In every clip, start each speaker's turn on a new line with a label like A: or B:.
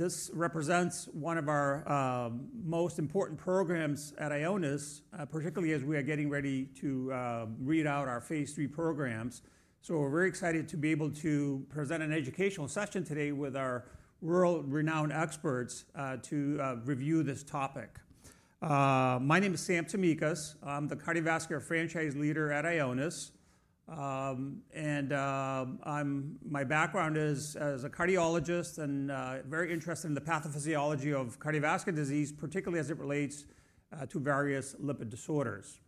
A: This represents one of our most important programs at Ionis, particularly as we are getting ready to read out our phase III programs. We are very excited to be able to present an educational session today with our world-renowned experts to review this topic. My name is Sam Tsimikas. I'm the Cardiovascular Franchise Leader at Ionis. My background is as a cardiologist and very interested in the pathophysiology of cardiovascular disease, particularly as it relates to various lipid disorders.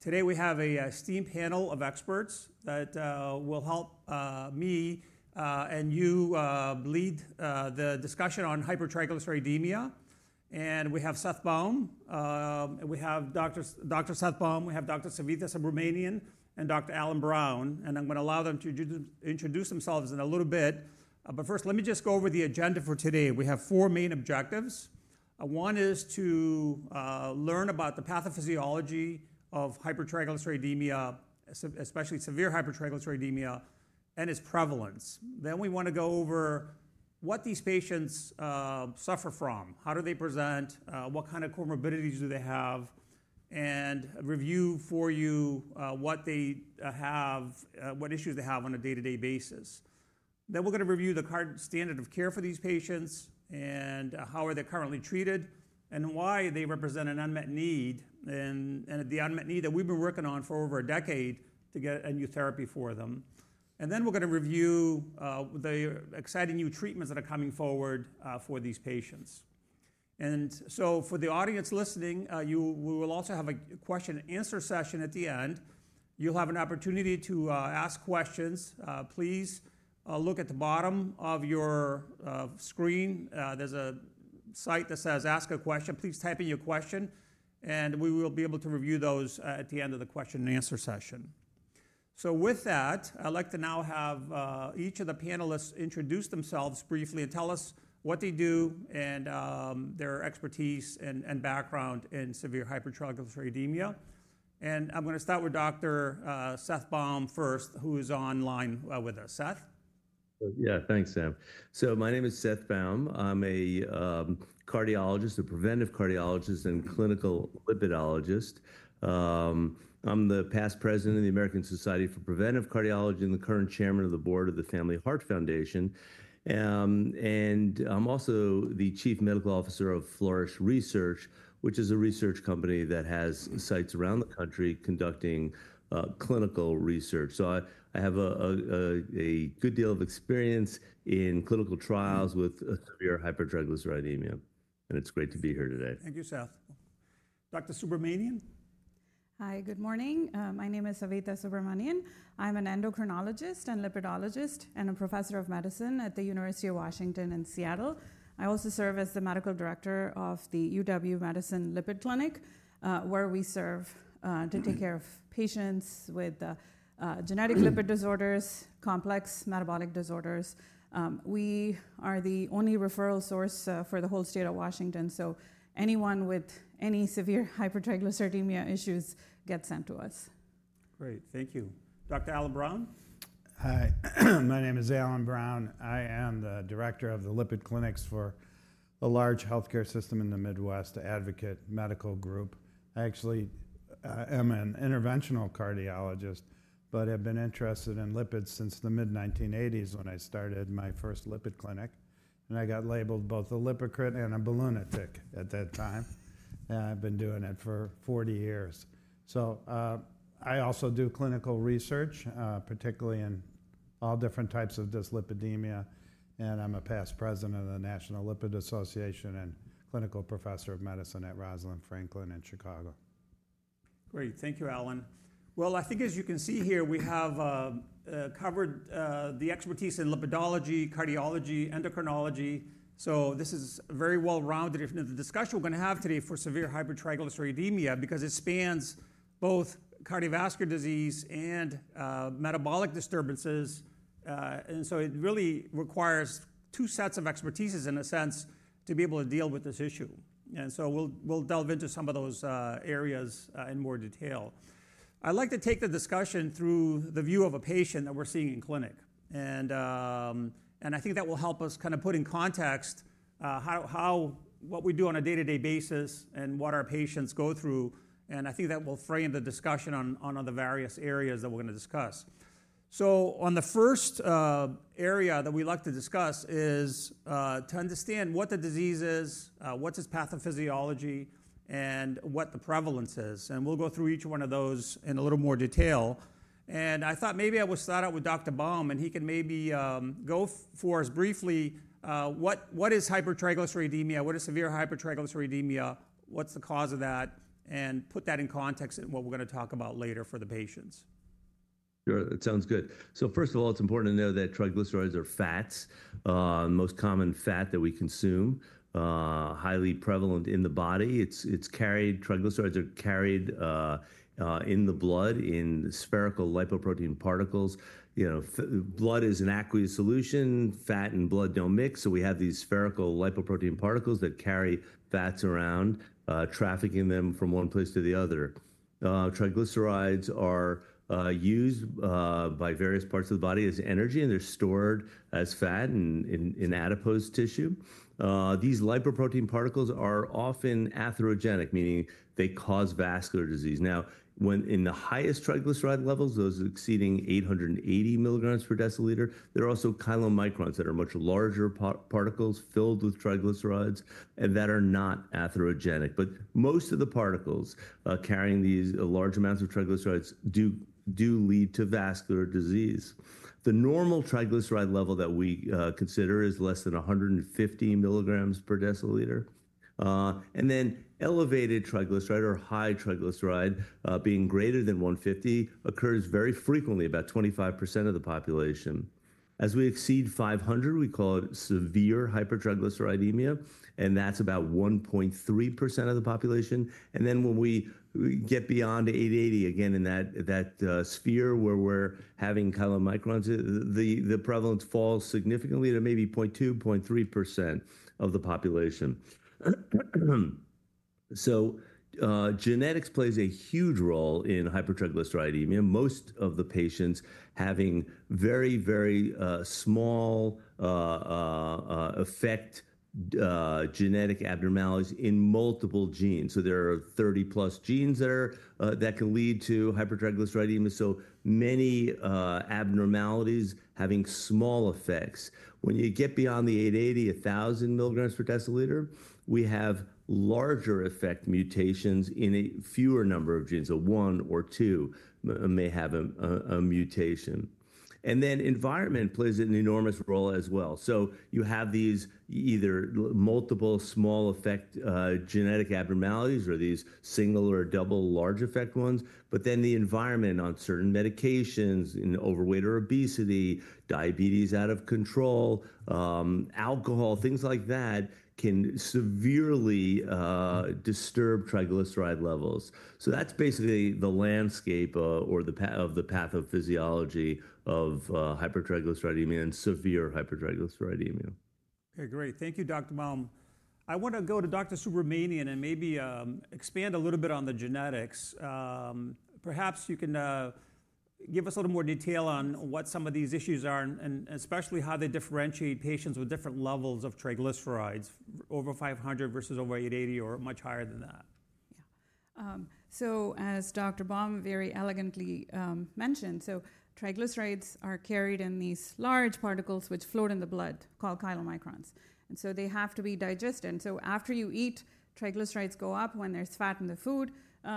A: Today we have a esteemed panel of experts that will help me and you lead the discussion on hypertriglyceridemia. We have Seth Baum. We have Dr. Seth Baum. We have Dr. Savitha Subramanian and Dr. Alan Brown. I'm going to allow them to introduce themselves in a little bit. First, let me just go over the agenda for today. We have four main objectives. One is to learn about the pathophysiology of hypertriglyceridemia, especially severe hypertriglyceridemia, and its prevalence. We want to go over what these patients suffer from, how do they present, what kind of comorbidities do they have, and review for you what they have, what issues they have on a day-to-day basis. We are going to review the current standard of care for these patients and how they're currently treated and why they represent an unmet need, and the unmet need that we've been working on for over a decade to get a new therapy for them. We are going to review the exciting new treatments that are coming forward for these patients. For the audience listening, we will also have a question-and-answer session at the end. You'll have an opportunity to ask questions. Please look at the bottom of your screen. There's a site that says "Ask a Question." Please type in your question, and we will be able to review those at the end of the question-and-answer session. With that, I'd like to now have each of the panelists introduce themselves briefly and tell us what they do and their expertise and background in severe hypertriglyceridemia. I'm going to start with Dr. Seth Baum first, who is online with us. Seth?
B: Yeah, thanks, Sam. My name is Seth Baum. I'm a cardiologist, a preventive cardiologist, and clinical lipidologist. I'm the past president of the American Society for Preventive Cardiology and the current chairman of the board of the Family Heart Foundation. I'm also the chief medical officer of Flourish Research, which is a research company that has sites around the country conducting clinical research. I have a good deal of experience in clinical trials with severe hypertriglyceridemia. It's great to be here today.
A: Thank you, Seth. Dr. Subramanian?
C: Hi, good morning. My name is Savitha Subramanian. I'm an endocrinologist and lipidologist and a professor of medicine at the University of Washington in Seattle. I also serve as the Medical Director of the UW Medicine Lipid Clinic, where we serve to take care of patients with genetic lipid disorders, complex metabolic disorders. We are the only referral source for the whole state of Washington. Anyone with any severe hypertriglyceridemia issues gets sent to us.
A: Great. Thank you. Dr. Alan Brown?
D: Hi. My name is Alan Brown. I am the Director of the Lipid Clinics for the large healthcare system in the Midwest, Advocate Medical Group. I actually am an interventional cardiologist, but have been interested in lipids since the mid-1980s when I started my first lipid clinic. I got labeled both a lipocrit and a balloonatic at that time. I have been doing it for 40 years. I also do clinical research, particularly in all different types of dyslipidemia. I am a past president of the National Lipid Association and Clinical Professor of Medicine at Rosalind Franklin in Chicago.
A: Great. Thank you, Alan. I think as you can see here, we have covered the expertise in lipidology, cardiology, endocrinology. This is very well-rounded in the discussion we're going to have today for severe hypertriglyceridemia because it spans both cardiovascular disease and metabolic disturbances. It really requires two sets of expertises, in a sense, to be able to deal with this issue. We'll delve into some of those areas in more detail. I'd like to take the discussion through the view of a patient that we're seeing in clinic. I think that will help us kind of put in context what we do on a day-to-day basis and what our patients go through. I think that will frame the discussion on the various areas that we're going to discuss. The first area that we'd like to discuss is to understand what the disease is, what its pathophysiology is, and what the prevalence is. We'll go through each one of those in a little more detail. I thought maybe I would start out with Dr. Baum, and he can maybe go for us briefly. What is hypertriglyceridemia? What is severe hypertriglyceridemia? What's the cause of that? Put that in context in what we're going to talk about later for the patients.
B: Sure. That sounds good. First of all, it's important to know that triglycerides are fats, the most common fat that we consume, highly prevalent in the body. Triglycerides are carried in the blood in spherical lipoprotein particles. Blood is an aqueous solution. Fat and blood do not mix. We have these spherical lipoprotein particles that carry fats around, trafficking them from one place to the other. Triglycerides are used by various parts of the body as energy, and they are stored as fat in adipose tissue. These lipoprotein particles are often atherogenic, meaning they cause vascular disease. In the highest triglyceride levels, those exceeding 880 mg/dL, there are also chylomicrons that are much larger particles filled with triglycerides and that are not atherogenic. Most of the particles carrying these large amounts of triglycerides do lead to vascular disease. The normal triglyceride level that we consider is less than 150 mg/dL. Elevated triglyceride, or high triglyceride, being greater than 150, occurs very frequently, about 25% of the population. As we exceed 500, we call it severe hypertriglyceridemia. That is about 1.3% of the population. When we get beyond 880, again, in that sphere where we're having chylomicrons, the prevalence falls significantly to maybe 0.2%-0.3% of the population. Genetics plays a huge role in hypertriglyceridemia, most of the patients having very, very small effect genetic abnormalities in multiple genes. There are 30-plus genes that can lead to hypertriglyceridemia, so many abnormalities having small effects. When you get beyond the 880, 1,000 mg/dL, we have larger effect mutations in a fewer number of genes. One or two may have a mutation. Environment plays an enormous role as well. You have these either multiple small effect genetic abnormalities or these single or double large effect ones. The environment on certain medications, in overweight or obesity, diabetes out of control, alcohol, things like that can severely disturb triglyceride levels. That is basically the landscape of the pathophysiology of hypertriglyceridemia and severe hypertriglyceridemia.
A: Okay, great. Thank you, Dr. Baum. I want to go to Dr. Subramanian and maybe expand a little bit on the genetics. Perhaps you can give us a little more detail on what some of these issues are and especially how they differentiate patients with different levels of triglycerides, over 500 versus over 880 or much higher than that.
C: Yeah. As Dr. Baum very elegantly mentioned, triglycerides are carried in these large particles which float in the blood called chylomicrons. They have to be digested. After you eat, triglycerides go up when there's fat in the food,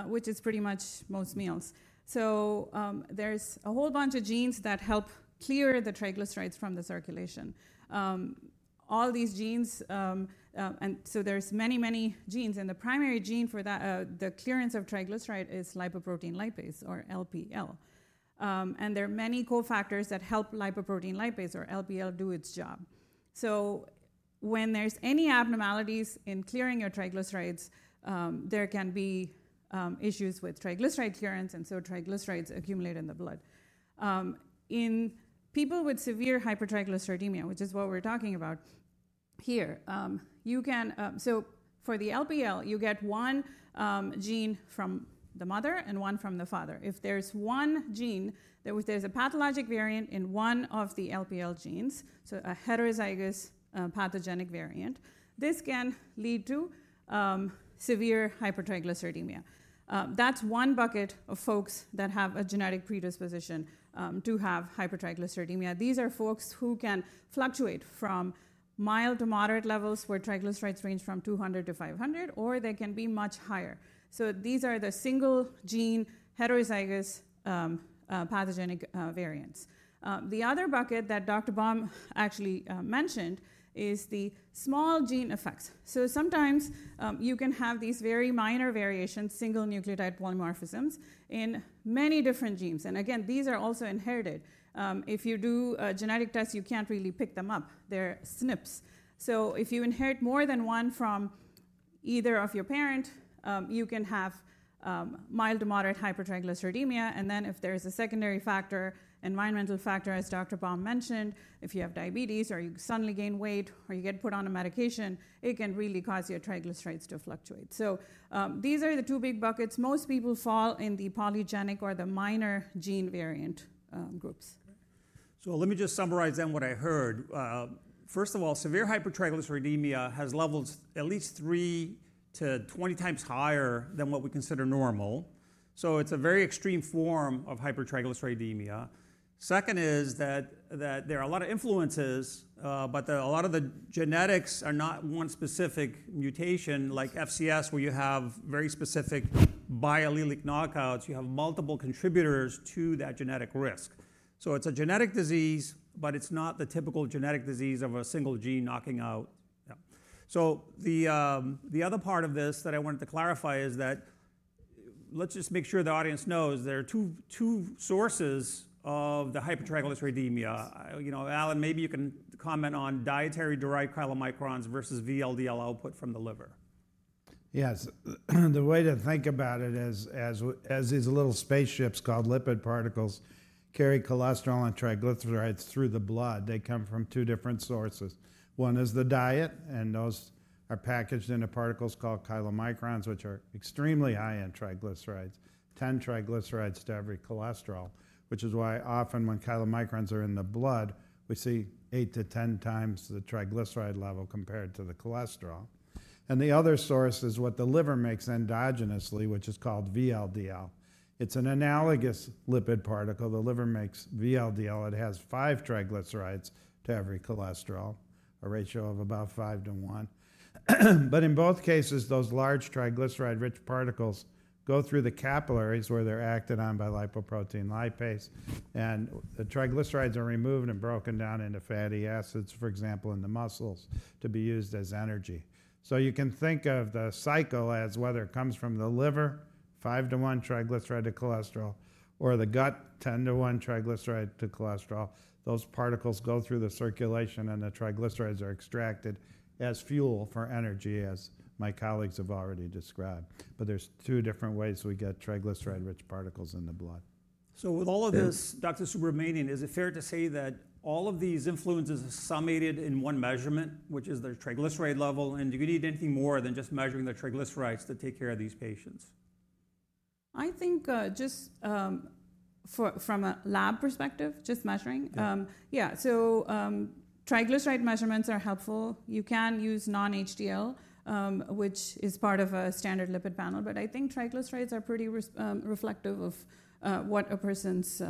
C: which is pretty much most meals. There's a whole bunch of genes that help clear the triglycerides from the circulation. All these genes, and there's many, many genes. The primary gene for the clearance of triglyceride is lipoprotein lipase, or LPL. There are many cofactors that help lipoprotein lipase, or LPL, do its job. When there's any abnormalities in clearing your triglycerides, there can be issues with triglyceride clearance. Triglycerides accumulate in the blood. In people with severe hypertriglyceridemia, which is what we're talking about here, you can, for the LPL, you get one gene from the mother and one from the father. If there's one gene that there's a pathologic variant in one of the LPL genes, so a heterozygous pathogenic variant, this can lead to severe hypertriglyceridemia. That's one bucket of folks that have a genetic predisposition to have hypertriglyceridemia. These are folks who can fluctuate from mild to moderate levels where triglycerides range from 200-500, or they can be much higher. These are the single-gene heterozygous pathogenic variants. The other bucket that Dr. Baum actually mentioned is the small-gene effects. Sometimes you can have these very minor variations, single nucleotide polymorphisms, in many different genes. Again, these are also inherited. If you do a genetic test, you can't really pick them up. They're SNPs. If you inherit more than one from either of your parents, you can have mild to moderate hypertriglyceridemia. If there is a secondary factor, environmental factor, as Dr. Baum mentioned, if you have diabetes or you suddenly gain weight or you get put on a medication, it can really cause your triglycerides to fluctuate. These are the two big buckets. Most people fall in the polygenic or the minor-gene variant groups.
A: Let me just summarize then what I heard. First of all, severe hypertriglyceridemia has levels at least 3x-20x higher than what we consider normal. It is a very extreme form of hypertriglyceridemia. Second is that there are a lot of influences, but a lot of the genetics are not one specific mutation, like FCS, where you have very specific biallelic knockouts. You have multiple contributors to that genetic risk. It is a genetic disease, but it is not the typical genetic disease of a single gene knocking out. The other part of this that I wanted to clarify is that let's just make sure the audience knows there are two sources of the hypertriglyceridemia. Alan, maybe you can comment on dietary derived chylomicrons versus VLDL output from the liver.
D: Yes. The way to think about it is, as these little spaceships called lipid particles carry cholesterol and triglycerides through the blood, they come from two different sources. One is the diet, and those are packaged into particles called chylomicrons, which are extremely high in triglycerides, 10 triglycerides to every cholesterol, which is why often when chylomicrons are in the blood, we see 8x-10x the triglyceride level compared to the cholesterol. The other source is what the liver makes endogenously, which is called VLDL. It's an analogous lipid particle the liver makes VLDL. It has 5 triglycerides to every cholesterol, a ratio of about 5 to 1. In both cases, those large triglyceride-rich particles go through the capillaries where they're acted on by lipoprotein lipase. The triglycerides are removed and broken down into fatty acids, for example, in the muscles to be used as energy. You can think of the cycle as whether it comes from the liver, 5 to 1 triglyceride to cholesterol, or the gut, 10 to 1 triglyceride to cholesterol. Those particles go through the circulation, and the triglycerides are extracted as fuel for energy, as my colleagues have already described. There are two different ways we get triglyceride-rich particles in the blood.
A: With all of this, Dr. Subramanian, is it fair to say that all of these influences are summated in one measurement, which is their triglyceride level? And do you need anything more than just measuring the triglycerides to take care of these patients?
C: I think just from a lab perspective, just measuring, yeah. Triglyceride measurements are helpful. You can use non-HDL, which is part of a standard lipid panel. I think triglycerides are pretty reflective of what a person's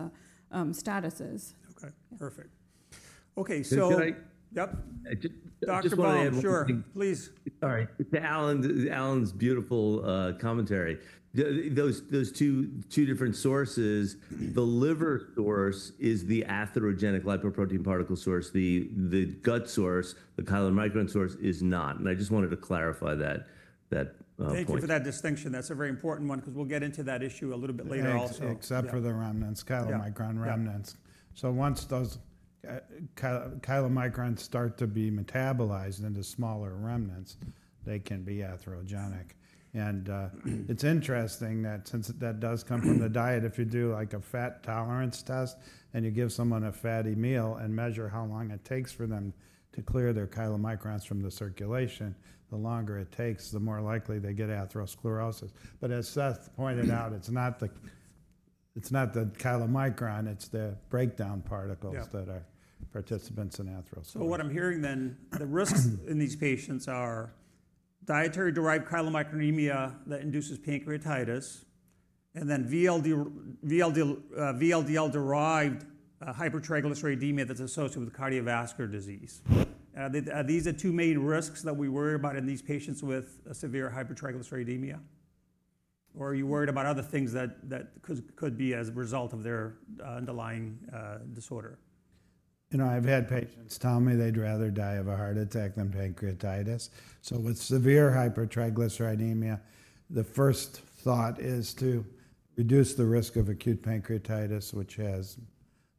C: status is.
A: Okay. Perfect. Okay. Yep. Dr. Baum, please.
B: Sorry. To Alan's beautiful commentary, those two different sources, the liver source is the atherogenic lipoprotein particle source. The gut source, the chylomicron source, is not. I just wanted to clarify that.
A: Thank you for that distinction. That's a very important one because we'll get into that issue a little bit later also.
D: Except for the remnants, chylomicron remnants. Once those chylomicrons start to be metabolized into smaller remnants, they can be atherogenic. It is interesting that since that does come from the diet, if you do like a fat tolerance test and you give someone a fatty meal and measure how long it takes for them to clear their chylomicrons from the circulation, the longer it takes, the more likely they get atherosclerosis. As Seth pointed out, it is not the chylomicron. It is the breakdown particles that are participants in atherosclerosis.
A: What I'm hearing then, the risks in these patients are dietary derived chylomicronemia that induces pancreatitis, and then VLDL-derived hypertriglyceridemia that's associated with cardiovascular disease. Are these the two main risks that we worry about in these patients with severe hypertriglyceridemia? Or are you worried about other things that could be as a result of their underlying disorder?
D: You know, I've had patients tell me they'd rather die of a heart attack than pancreatitis. With severe hypertriglyceridemia, the first thought is to reduce the risk of acute pancreatitis, which has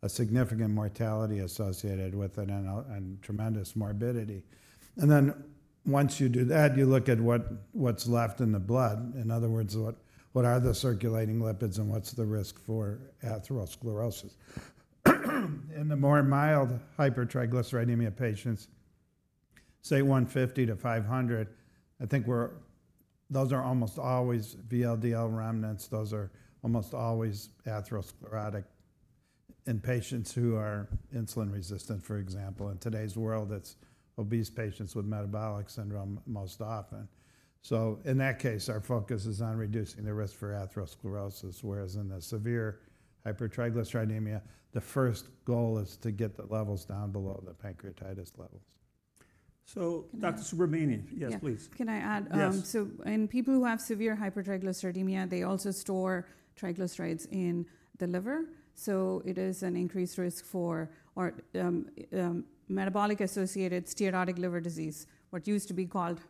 D: a significant mortality associated with it and tremendous morbidity. Once you do that, you look at what's left in the blood. In other words, what are the circulating lipids and what's the risk for atherosclerosis? In the more mild hypertriglyceridemia patients, say 150-500, I think those are almost always VLDL remnants. Those are almost always atherosclerotic in patients who are insulin resistant, for example. In today's world, it's obese patients with metabolic syndrome most often. In that case, our focus is on reducing the risk for atherosclerosis. Whereas in the severe hypertriglyceridemia, the first goal is to get the levels down below the pancreatitis levels.
A: Dr. Subramanian, yes, please.
C: Can I add? In people who have severe hypertriglyceridemia, they also store triglycerides in the liver. It is an increased risk for metabolic-associated steatohepatitis, what used to be called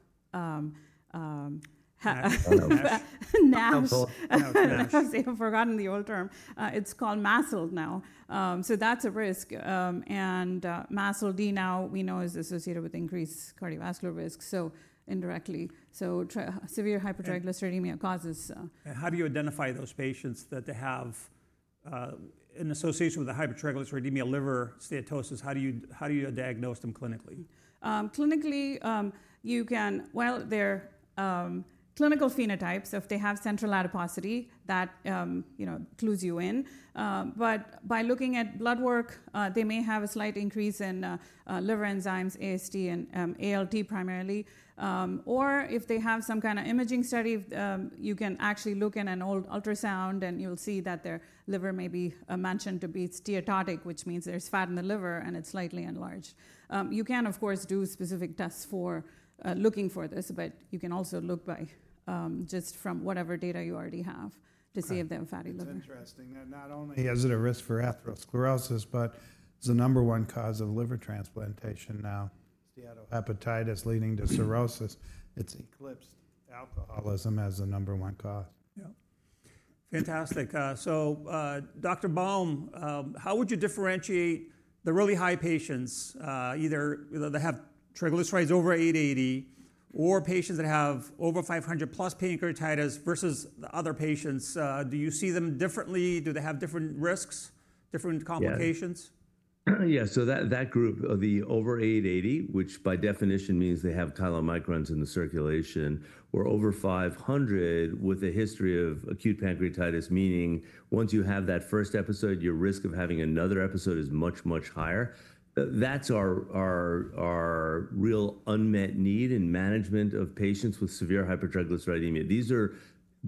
C: NASH. I've forgotten the old term. It's called MASLD now. That is a risk. MASLD now we know is associated with increased cardiovascular risk, indirectly. Severe hypertriglyceridemia causes.
A: How do you identify those patients that they have in association with the hypertriglyceridemia liver steatosis? How do you diagnose them clinically?
C: Clinically, you can, well, they're clinical phenotypes. If they have central adiposity, that clues you in. By looking at blood work, they may have a slight increase in liver enzymes, AST and ALT primarily. If they have some kind of imaging study, you can actually look in an old ultrasound, and you'll see that their liver may be mentioned to be steatotic, which means there's fat in the liver and it's slightly enlarged. You can, of course, do specific tests for looking for this, but you can also look just from whatever data you already have to see if they have fatty liver.
D: That's interesting. Not only is it a risk for atherosclerosis, but it's the number one cause of liver transplantation now. Steatohepatitis leading to cirrhosis. It's eclipsed alcoholism as the number one cause.
A: Yeah. Fantastic. Dr. Baum, how would you differentiate the really high patients, either that have triglycerides over 880 or patients that have over 500 plus pancreatitis versus the other patients? Do you see them differently? Do they have different risks, different complications?
B: Yeah. So that group of the over 880, which by definition means they have chylomicrons in the circulation, or over 500 with a history of acute pancreatitis, meaning once you have that first episode, your risk of having another episode is much, much higher. That's our real unmet need in management of patients with severe hypertriglyceridemia. These are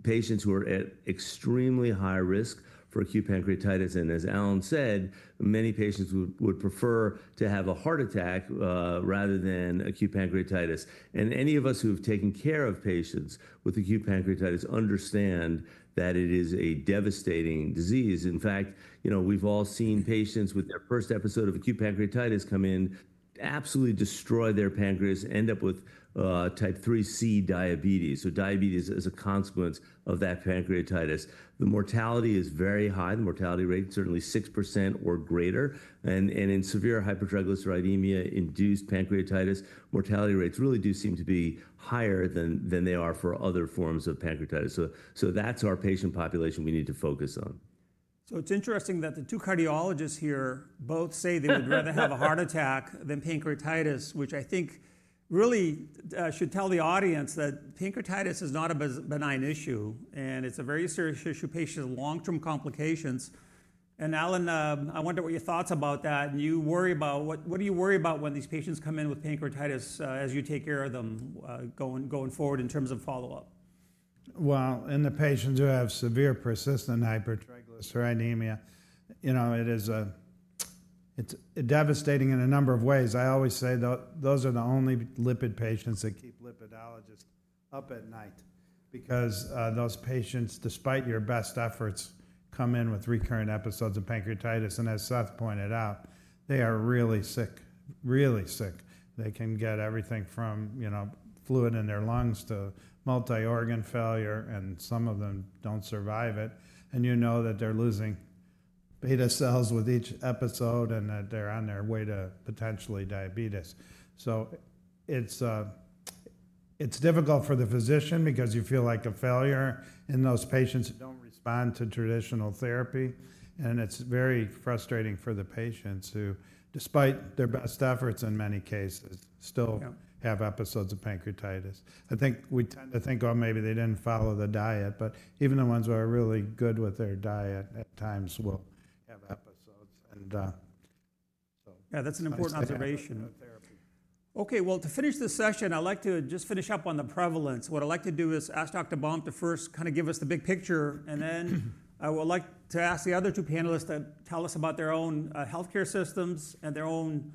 B: patients who are at extremely high risk for acute pancreatitis. As Alan said, many patients would prefer to have a heart attack rather than acute pancreatitis. Any of us who have taken care of patients with acute pancreatitis understand that it is a devastating disease. In fact, we've all seen patients with their first episode of acute pancreatitis come in, absolutely destroy their pancreas, end up with type 3c diabetes. So diabetes is a consequence of that pancreatitis. The mortality is very high. The mortality rate is certainly 6% or greater. In severe hypertriglyceridemia-induced pancreatitis, mortality rates really do seem to be higher than they are for other forms of pancreatitis. That's our patient population we need to focus on.
A: It's interesting that the two cardiologists here both say they would rather have a heart attack than pancreatitis, which I think really should tell the audience that pancreatitis is not a benign issue, and it's a very serious issue, patient with long-term complications. Alan, I wonder what your thoughts about that. You worry about what do you worry about when these patients come in with pancreatitis as you take care of them going forward in terms of follow-up?
D: In the patients who have severe persistent hypertriglyceridemia, you know it is devastating in a number of ways. I always say those are the only lipid patients that keep lipidologists up at night because those patients, despite your best efforts, come in with recurrent episodes of pancreatitis. As Seth pointed out, they are really sick, really sick. They can get everything from fluid in their lungs to multi-organ failure, and some of them don't survive it. You know that they're losing beta cells with each episode and that they're on their way to potentially diabetes. It is difficult for the physician because you feel like a failure in those patients who don't respond to traditional therapy. It is very frustrating for the patients who, despite their best efforts in many cases, still have episodes of pancreatitis. I think we tend to think, oh, maybe they didn't follow the diet. Even the ones who are really good with their diet at times will have episodes.
A: Yeah, that's an important observation. Okay. To finish this session, I'd like to just finish up on the prevalence. What I'd like to do is ask Dr. Baum to first kind of give us the big picture. I would like to ask the other two panelists to tell us about their own healthcare systems and their own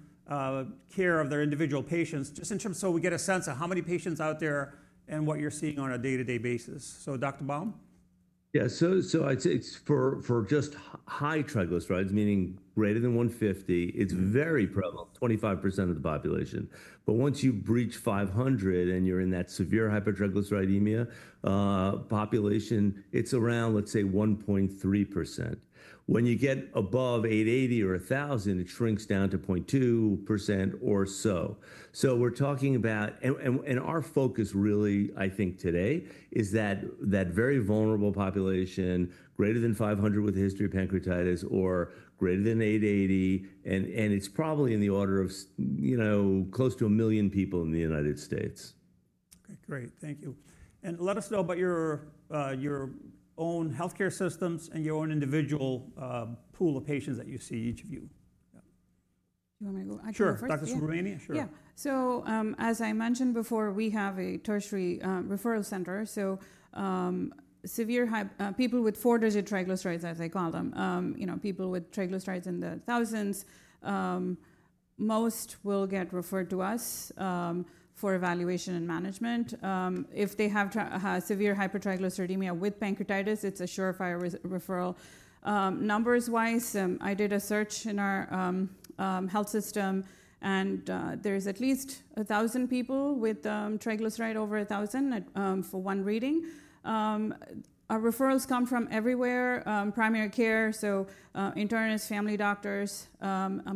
A: care of their individual patients, just in terms of so we get a sense of how many patients out there and what you're seeing on a day-to-day basis. Dr. Baum?
B: Yeah. I'd say for just high triglycerides, meaning greater than 150, it's very prevalent, 25% of the population. Once you breach 500 and you're in that severe hypertriglyceridemia population, it's around, let's say, 1.3%. When you get above 880 or 1,000, it shrinks down to 0.2% or so. We're talking about, and our focus really, I think, today is that very vulnerable population, greater than 500 with a history of pancreatitis or greater than 880. It's probably in the order of close to a million people in the United States.
A: Okay. Great. Thank you. Let us know about your own healthcare systems and your own individual pool of patients that you see, each of you.
C: Do you want me to go?
A: Sure. Dr. Subramanian, sure.
C: Yeah. As I mentioned before, we have a tertiary referral center. Severe people with four-digit triglycerides, as they call them, people with triglycerides in the thousands, most will get referred to us for evaluation and management. If they have severe hypertriglyceridemia with pancreatitis, it's a surefire referral. Numbers-wise, I did a search in our health system, and there's at least 1,000 people with triglyceride over 1,000 for one reading. Our referrals come from everywhere: primary care, so internists, family doctors,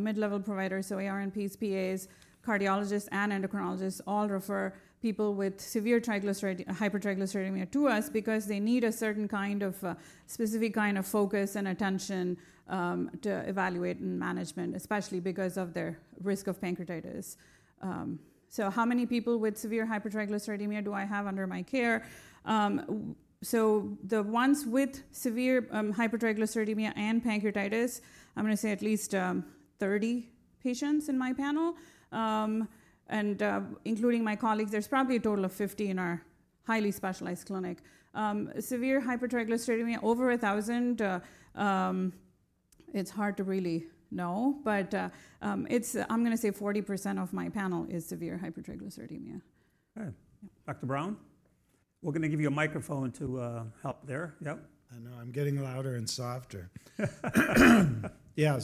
C: mid-level providers, so ARNPs, PAs, cardiologists, and endocrinologists all refer people with severe hypertriglyceridemia to us because they need a certain kind of specific kind of focus and attention to evaluate and management, especially because of their risk of pancreatitis. How many people with severe hypertriglyceridemia do I have under my care? The ones with severe hypertriglyceridemia and pancreatitis, I'm going to say at least 30 patients in my panel. Including my colleagues, there's probably a total of 50 in our highly specialized clinic. Severe hypertriglyceridemia over 1,000, it's hard to really know. I'm going to say 40% of my panel is severe hypertriglyceridemia.
A: Okay. Dr. Brown? We're going to give you a microphone to help there. Yep.
D: I know. I'm getting louder and softer. Yeah.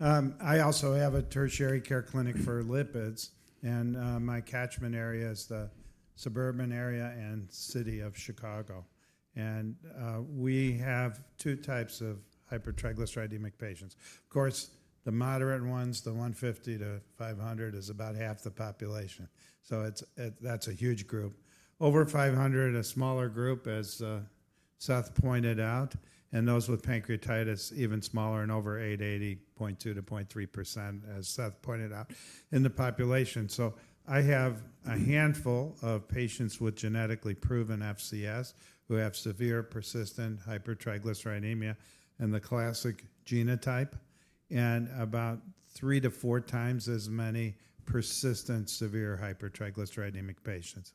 D: I also have a tertiary care clinic for lipids. My catchment area is the suburban area and city of Chicago. We have two types of hypertriglyceridemic patients. Of course, the moderate ones, the 150-500, is about half the population. That's a huge group. Over 500, a smaller group, as Seth pointed out. Those with pancreatitis, even smaller and over 880, 0.2-0.3%, as Seth pointed out, in the population. I have a handful of patients with genetically proven FCS who have severe persistent hypertriglyceridemia and the classic genotype, and about three to four times as many persistent severe hypertriglyceridemic patients.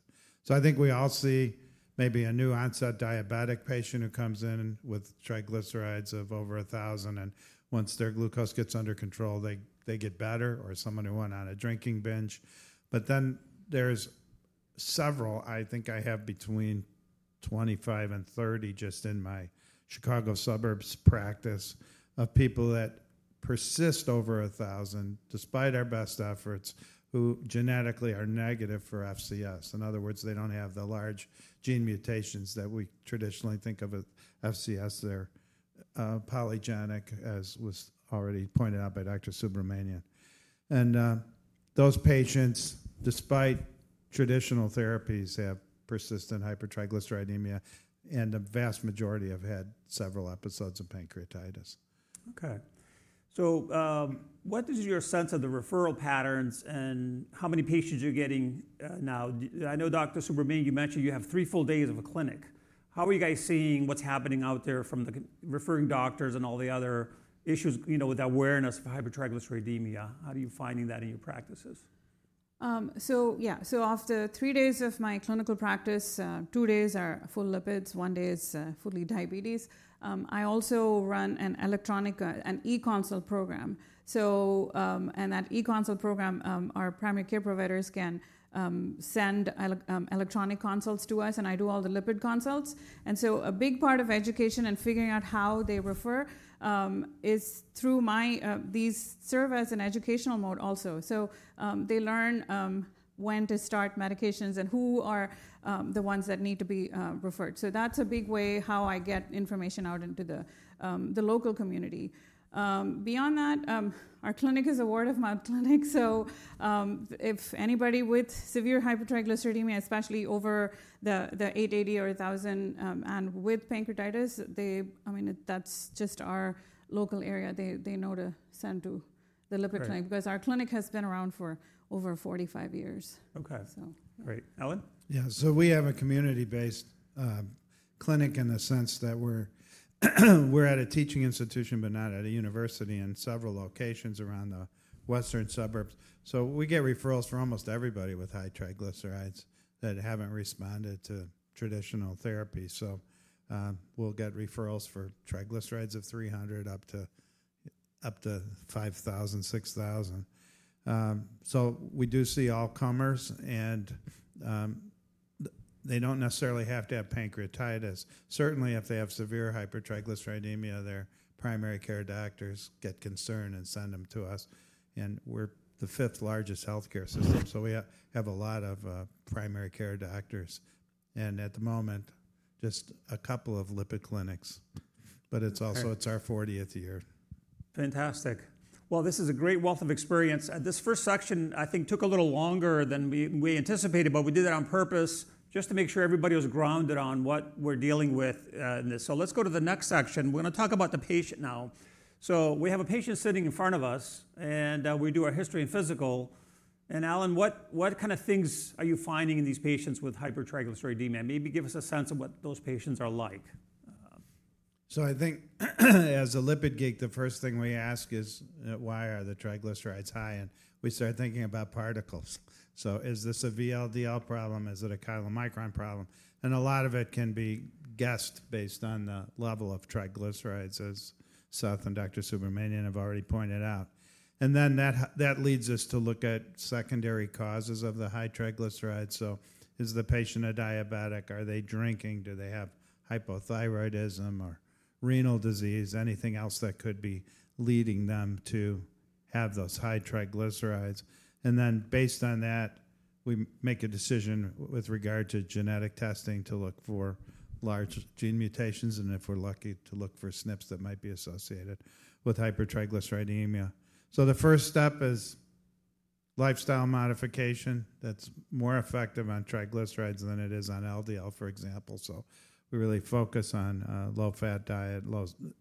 D: I think we all see maybe a new onset diabetic patient who comes in with triglycerides of over 1,000. Once their glucose gets under control, they get better, or someone who went on a drinking binge. There are several, I think I have between 25 and 30 just in my Chicago suburbs practice, of people that persist over 1,000 despite our best efforts who genetically are negative for FCS. In other words, they do not have the large gene mutations that we traditionally think of as FCS. They are polygenic, as was already pointed out by Dr. Subramanian. Those patients, despite traditional therapies, have persistent hypertriglyceridemia. The vast majority have had several episodes of pancreatitis.
A: Okay. What is your sense of the referral patterns and how many patients you're getting now? I know, Dr. Subramanian, you mentioned you have three full days of a clinic. How are you guys seeing what's happening out there from the referring doctors and all the other issues with awareness of hypertriglyceridemia? How are you finding that in your practices?
C: Yeah. After three days of my clinical practice, two days are full lipids, one day is fully diabetes. I also run an electronic, an e-consult program. That e-consult program, our primary care providers can send electronic consults to us, and I do all the lipid consults. A big part of education and figuring out how they refer is through my these serve as an educational mode also. They learn when to start medications and who are the ones that need to be referred. That's a big way how I get information out into the local community. Beyond that, our clinic is a word-of-mouth clinic. If anybody with severe hypertriglyceridemia, especially over the 880 or 1,000 and with pancreatitis, I mean, that's just our local area. They know to send to the lipid clinic because our clinic has been around for over 45 years.
A: Okay. Great. Alan?
D: Yeah. We have a community-based clinic in the sense that we're at a teaching institution, but not at a university, in several locations around the western suburbs. We get referrals for almost everybody with high triglycerides that haven't responded to traditional therapy. We get referrals for triglycerides of 300 up to 5,000, 6,000. We do see all-comers, and they don't necessarily have to have pancreatitis. Certainly, if they have severe hypertriglyceridemia, their primary care doctors get concerned and send them to us. We're the fifth largest healthcare system. We have a lot of primary care doctors. At the moment, just a couple of lipid clinics. It's also our 40th year.
A: Fantastic. This is a great wealth of experience. This first section, I think, took a little longer than we anticipated, but we did that on purpose just to make sure everybody was grounded on what we're dealing with in this. Let's go to the next section. We're going to talk about the patient now. We have a patient sitting in front of us, and we do our history and physical. Alan, what kind of things are you finding in these patients with hypertriglyceridemia? Maybe give us a sense of what those patients are like.
D: I think as a lipid geek, the first thing we ask is, why are the triglycerides high? We start thinking about particles. Is this a VLDL problem? Is it a chylomicron problem? A lot of it can be guessed based on the level of triglycerides, as Seth and Dr. Subramanian have already pointed out. That leads us to look at secondary causes of the high triglycerides. Is the patient a diabetic? Are they drinking? Do they have hypothyroidism or renal disease? Anything else that could be leading them to have those high triglycerides? Based on that, we make a decision with regard to genetic testing to look for large gene mutations and if we're lucky to look for SNPs that might be associated with hypertriglyceridemia. The first step is lifestyle modification. That's more effective on triglycerides than it is on LDL, for example. We really focus on a low-fat diet,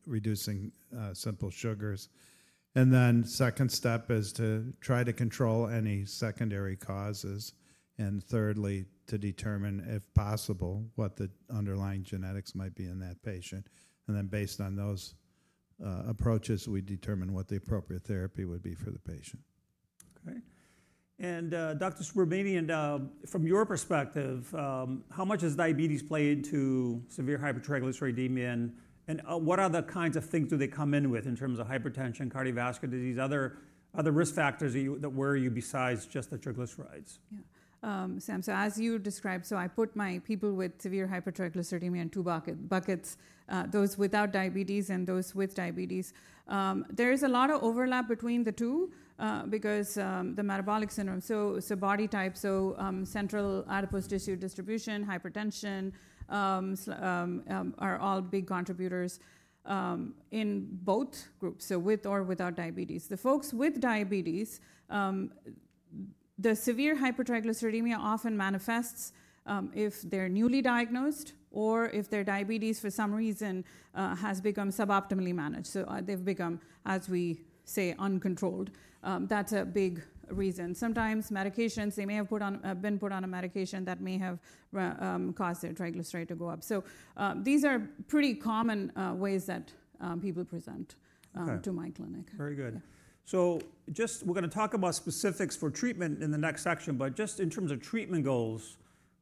D: reducing simple sugars. The second step is to try to control any secondary causes. Thirdly, to determine, if possible, what the underlying genetics might be in that patient. Based on those approaches, we determine what the appropriate therapy would be for the patient.
A: Okay. Dr. Subramanian, from your perspective, how much has diabetes played into severe hypertriglyceridemia? What other kinds of things do they come in with in terms of hypertension, cardiovascular disease, other risk factors that worry you besides just the triglycerides?
C: Yeah. Sam, as you described, I put my people with severe hypertriglyceridemia in two buckets, those without diabetes and those with diabetes. There is a lot of overlap between the two because the metabolic syndrome, body type, central adipose tissue distribution, hypertension are all big contributors in both groups, with or without diabetes. The folks with diabetes, the severe hypertriglyceridemia often manifests if they're newly diagnosed or if their diabetes, for some reason, has become suboptimally managed. They've become, as we say, uncontrolled. That's a big reason. Sometimes medications, they may have been put on a medication that may have caused their triglyceride to go up. These are pretty common ways that people present to my clinic.
A: Very good. We are going to talk about specifics for treatment in the next section. Just in terms of treatment goals,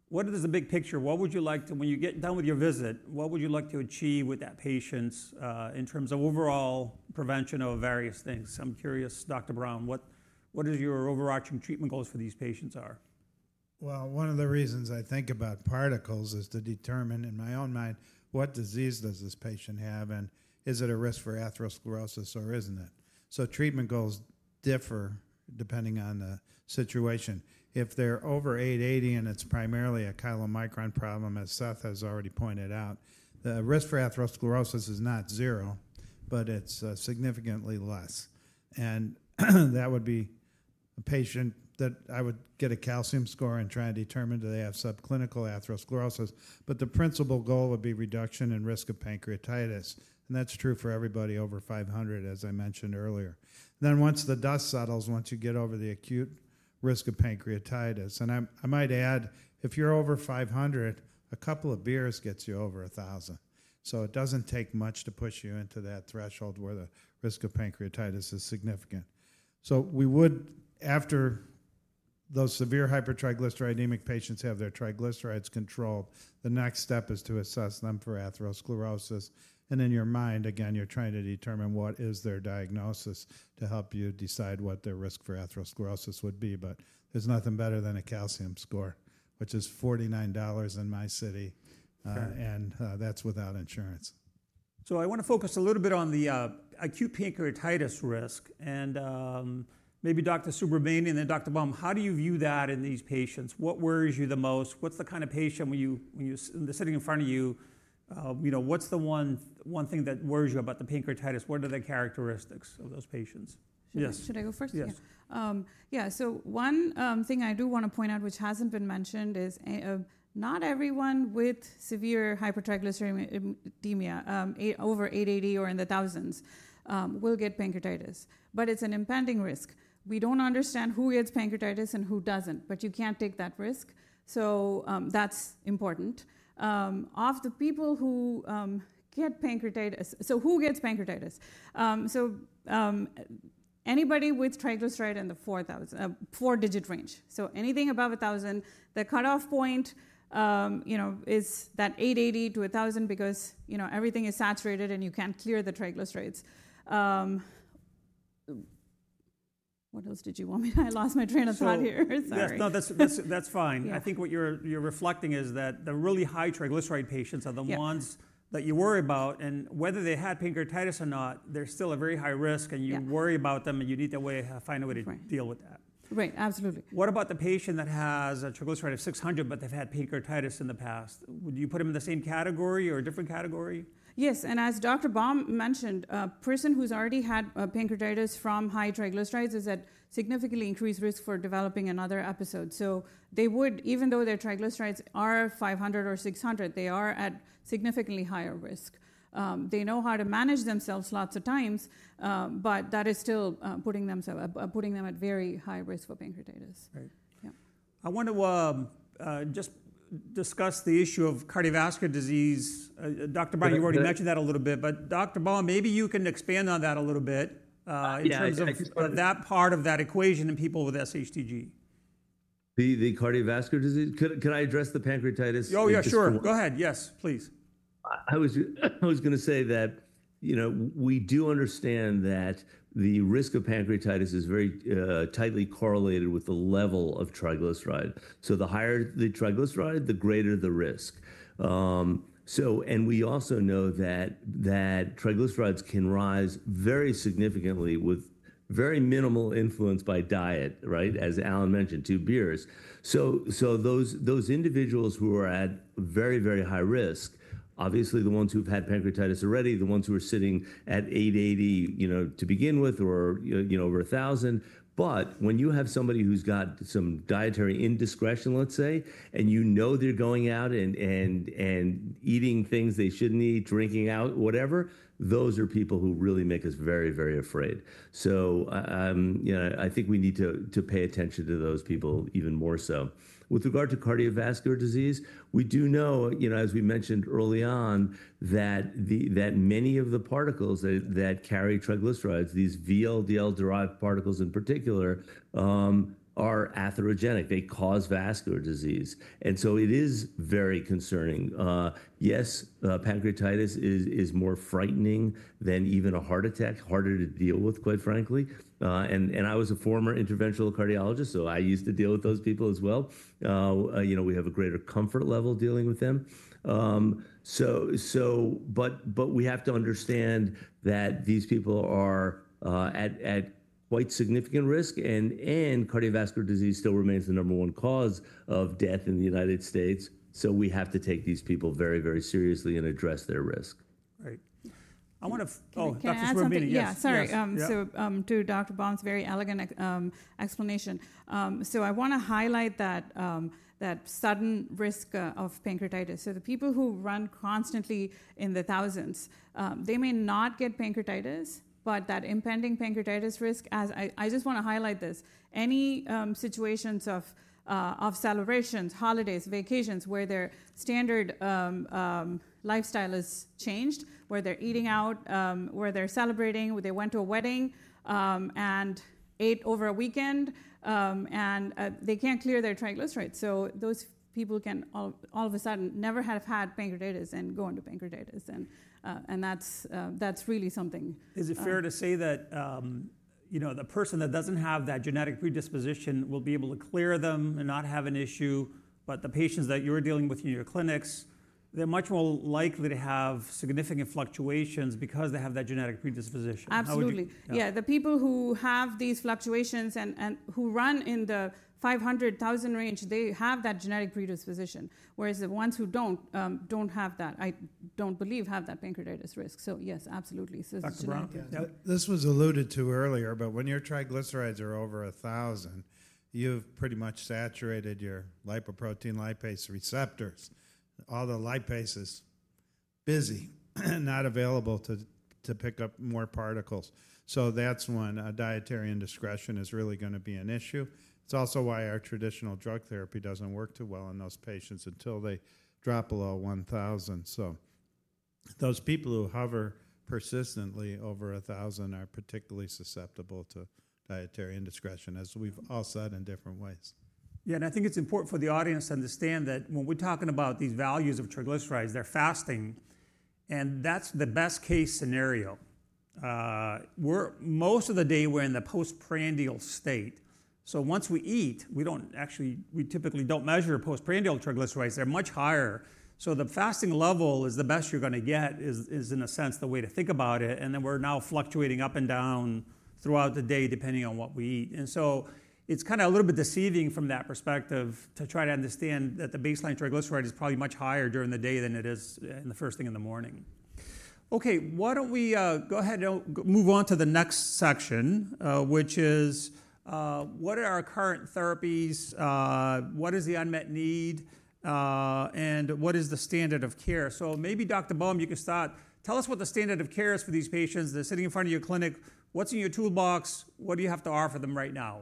A: what is the big picture? What would you like to, when you get done with your visit, what would you like to achieve with that patient in terms of overall prevention of various things? I am curious, Dr. Brown, what is your overarching treatment goals for these patients?
D: One of the reasons I think about particles is to determine, in my own mind, what disease does this patient have? And is it a risk for atherosclerosis or isn't it? Treatment goals differ depending on the situation. If they're over 880 and it's primarily a chylomicron problem, as Seth has already pointed out, the risk for atherosclerosis is not zero, but it's significantly less. That would be a patient that I would get a calcium score and try and determine do they have subclinical atherosclerosis. The principal goal would be reduction in risk of pancreatitis. That's true for everybody over 500, as I mentioned earlier. Once the dust settles, once you get over the acute risk of pancreatitis. I might add, if you're over 500, a couple of beers gets you over 1,000. It does not take much to push you into that threshold where the risk of pancreatitis is significant. We would, after those severe hypertriglyceridemic patients have their triglycerides controlled, take the next step to assess them for atherosclerosis. In your mind, again, you are trying to determine what is their diagnosis to help you decide what their risk for atherosclerosis would be. There is nothing better than a calcium score, which is $49 in my city. That is without insurance.
A: I want to focus a little bit on the acute pancreatitis risk. Maybe Dr. Subramanian and then Dr. Baum, how do you view that in these patients? What worries you the most? What's the kind of patient when they're sitting in front of you? What's the one thing that worries you about the pancreatitis? What are the characteristics of those patients?
C: Should I go first?
A: Yes.
C: Yeah. One thing I do want to point out, which hasn't been mentioned, is not everyone with severe hypertriglyceridemia over 880 or in the thousands will get pancreatitis. It's an impending risk. We don't understand who gets pancreatitis and who doesn't. You can't take that risk. That's important. Of the people who get pancreatitis, who gets pancreatitis? Anybody with triglyceride in the 4-digit range. Anything above 1,000, the cutoff point is that 880-1,000 because everything is saturated and you can't clear the triglycerides. What else did you want me to? I lost my train of thought here. Sorry.
A: Yes. No, that's fine. I think what you're reflecting is that the really high triglyceride patients are the ones that you worry about. Whether they had pancreatitis or not, they're still a very high risk. You worry about them, and you need to find a way to deal with that.
C: Right. Absolutely.
A: What about the patient that has a triglyceride of 600, but they've had pancreatitis in the past? Would you put them in the same category or a different category?
C: Yes. As Dr. Brown mentioned, a person who's already had pancreatitis from high triglycerides is at significantly increased risk for developing another episode. They would, even though their triglycerides are 500 or 600, be at significantly higher risk. They know how to manage themselves lots of times, but that is still putting them at very high risk for pancreatitis.
A: Right. I want to just discuss the issue of cardiovascular disease. Dr. Brown, you already mentioned that a little bit. Dr. Baum, maybe you can expand on that a little bit in terms of that part of that equation in people with SHTG.
B: The cardiovascular disease? Could I address the pancreatitis?
A: Oh, yeah. Sure. Go ahead. Yes, please.
B: I was going to say that we do understand that the risk of pancreatitis is very tightly correlated with the level of triglyceride. The higher the triglyceride, the greater the risk. We also know that triglycerides can rise very significantly with very minimal influence by diet, right? As Alan mentioned, two beers. Those individuals who are at very, very high risk, obviously the ones who've had pancreatitis already, the ones who are sitting at 880 to begin with or over 1,000. When you have somebody who's got some dietary indiscretion, let's say, and you know they're going out and eating things they shouldn't eat, drinking out, whatever, those are people who really make us very, very afraid. I think we need to pay attention to those people even more so. With regard to cardiovascular disease, we do know, as we mentioned early on, that many of the particles that carry triglycerides, these VLDL-derived particles in particular, are atherogenic. They cause vascular disease. It is very concerning. Yes, pancreatitis is more frightening than even a heart attack, harder to deal with, quite frankly. I was a former interventional cardiologist, so I used to deal with those people as well. We have a greater comfort level dealing with them. We have to understand that these people are at quite significant risk. Cardiovascular disease still remains the number one cause of death in the United States. We have to take these people very, very seriously and address their risk.
A: Right. I want to. Oh, Dr. Subramanian.
C: Yeah. Sorry. To Dr. Baum's very elegant explanation, I want to highlight that sudden risk of pancreatitis. The people who run constantly in the thousands, they may not get pancreatitis, but that impending pancreatitis risk, I just want to highlight this. Any situations of celebrations, holidays, vacations where their standard lifestyle has changed, where they're eating out, where they're celebrating, where they went to a wedding and ate over a weekend, and they can't clear their triglycerides. Those people can all of a sudden never have had pancreatitis and go into pancreatitis. That's really something.
A: Is it fair to say that the person that doesn't have that genetic predisposition will be able to clear them and not have an issue? The patients that you're dealing with in your clinics, they're much more likely to have significant fluctuations because they have that genetic predisposition.
C: Absolutely. Yeah. The people who have these fluctuations and who run in the 500,000 range, they have that genetic predisposition. Whereas the ones who do not have that, I do not believe, have that pancreatitis risk. Yes, absolutely.
A: Dr. Brown.
D: This was alluded to earlier. When your triglycerides are over 1,000, you've pretty much saturated your lipoprotein lipase receptors. All the lipase is busy and not available to pick up more particles. That is when a dietary indiscretion is really going to be an issue. It is also why our traditional drug therapy does not work too well in those patients until they drop below 1,000. Those people who hover persistently over 1,000 are particularly susceptible to dietary indiscretion, as we've all said in different ways.
A: Yeah. I think it's important for the audience to understand that when we're talking about these values of triglycerides, they're fasting. That's the best-case scenario. Most of the day, we're in the postprandial state. Once we eat, we typically don't measure postprandial triglycerides. They're much higher. The fasting level is the best you're going to get, is, in a sense, the way to think about it. We're now fluctuating up and down throughout the day depending on what we eat. It's kind of a little bit deceiving from that perspective to try to understand that the baseline triglyceride is probably much higher during the day than it is the first thing in the morning. Okay. Why don't we go ahead and move on to the next section, which is, what are our current therapies? What is the unmet need? What is the standard of care? Maybe Dr. Baum, you can start. Tell us what the standard of care is for these patients that are sitting in front of your clinic. What's in your toolbox? What do you have to offer them right now?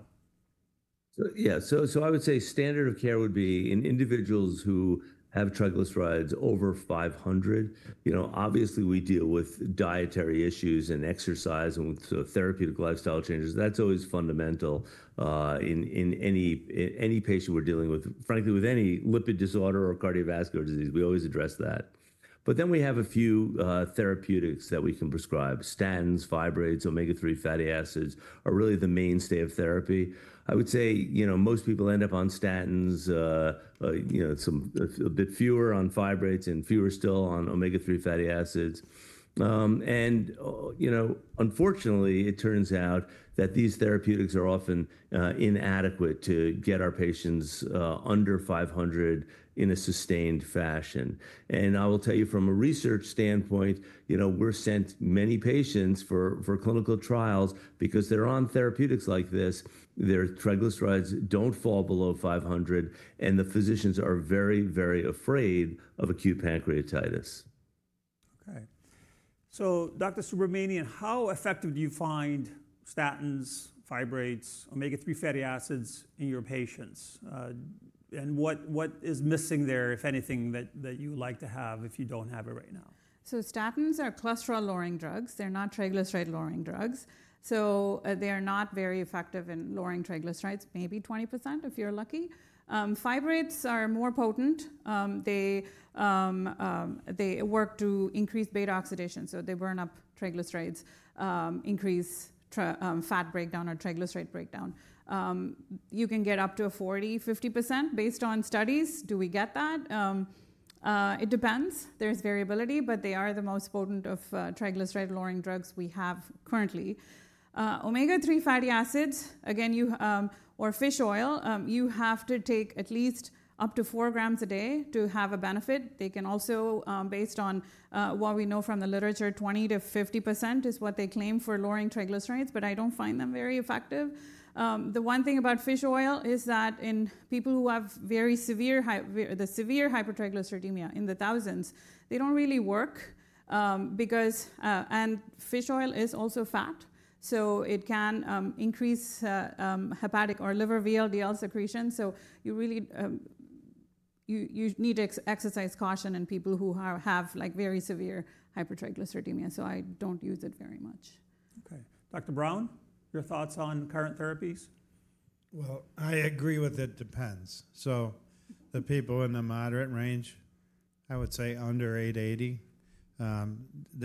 B: Yeah. I would say standard of care would be in individuals who have triglycerides over 500. Obviously, we deal with dietary issues and exercise and therapeutic lifestyle changes. That's always fundamental in any patient we're dealing with. Frankly, with any lipid disorder or cardiovascular disease, we always address that. We have a few therapeutics that we can prescribe. Statins, fibrates, omega-3 fatty acids are really the mainstay of therapy. I would say most people end up on statins, a bit fewer on fibrates, and fewer still on omega-3 fatty acids. Unfortunately, it turns out that these therapeutics are often inadequate to get our patients under 500 in a sustained fashion. I will tell you, from a research standpoint, we're sent many patients for clinical trials because they're on therapeutics like this. Their triglycerides don't fall below 500. Physicians are very, very afraid of acute pancreatitis.
A: Okay. Dr. Subramanian, how effective do you find statins, fibrates, omega-3 fatty acids in your patients? What is missing there, if anything, that you would like to have if you do not have it right now?
C: Statins are cholesterol-lowering drugs. They're not triglyceride-lowering drugs. They are not very effective in lowering triglycerides, maybe 20% if you're lucky. Fibrates are more potent. They work to increase beta oxidation. They burn up triglycerides, increase fat breakdown or triglyceride breakdown. You can get up to a 40%-50% based on studies. Do we get that? It depends. There is variability. They are the most potent of triglyceride-lowering drugs we have currently. Omega-3 fatty acids, again, or fish oil, you have to take at least up to 4 g a day to have a benefit. They can also, based on what we know from the literature, 20%-50% is what they claim for lowering triglycerides. I don't find them very effective. The one thing about fish oil is that in people who have very severe hypertriglyceridemia in the thousands, they don't really work. Fish oil is also fat. It can increase hepatic or liver VLDL secretion. You need to exercise caution in people who have very severe hypertriglyceridemia. I do not use it very much.
A: Okay. Dr. Brown, your thoughts on current therapies?
D: I agree with it depends. The people in the moderate range, I would say under 880,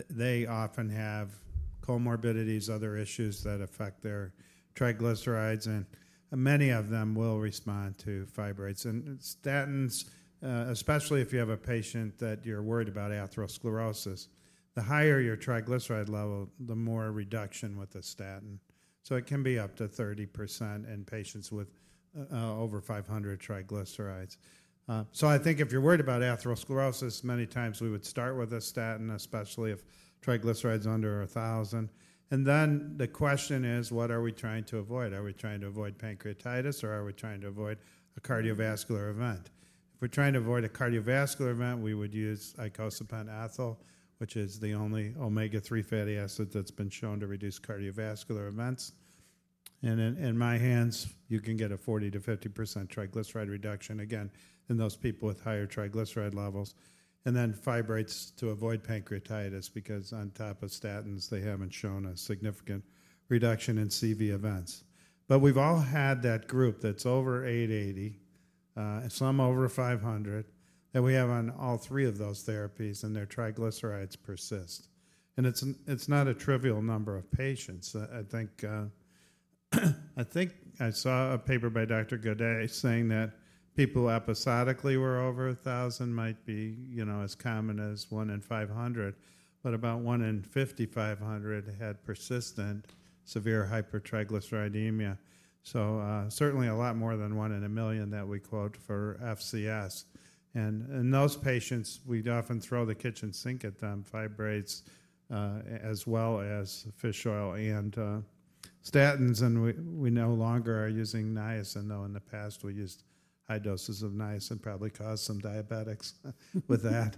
D: they often have comorbidities, other issues that affect their triglycerides. Many of them will respond to fibrates. Statins, especially if you have a patient that you're worried about atherosclerosis, the higher your triglyceride level, the more reduction with the statin. It can be up to 30% in patients with over 500 triglycerides. If you're worried about atherosclerosis, many times we would start with a statin, especially if triglycerides are under 1,000. The question is, what are we trying to avoid? Are we trying to avoid pancreatitis, or are we trying to avoid a cardiovascular event? If we're trying to avoid a cardiovascular event, we would use icosapent ethyl, which is the only omega-3 fatty acid that's been shown to reduce cardiovascular events. In my hands, you can get a 40%-50% triglyceride reduction, again, in those people with higher triglyceride levels. Fibrates to avoid pancreatitis because on top of statins, they have not shown a significant reduction in CV events. We have all had that group that is over 880, some over 500, that we have on all three of those therapies, and their triglycerides persist. It is not a trivial number of patients. I think I saw a paper by Dr. Godet saying that people episodically were over 1,000 might be as common as 1 in 500. About 1 in 5,500 had persistent severe hypertriglyceridemia. Certainly a lot more than 1 in a million that we quote for FCS. In those patients, we would often throw the kitchen sink at them, fibrates as well as fish oil and statins. We no longer are using niacin, though in the past, we used high doses of niacin, probably caused some diabetics with that.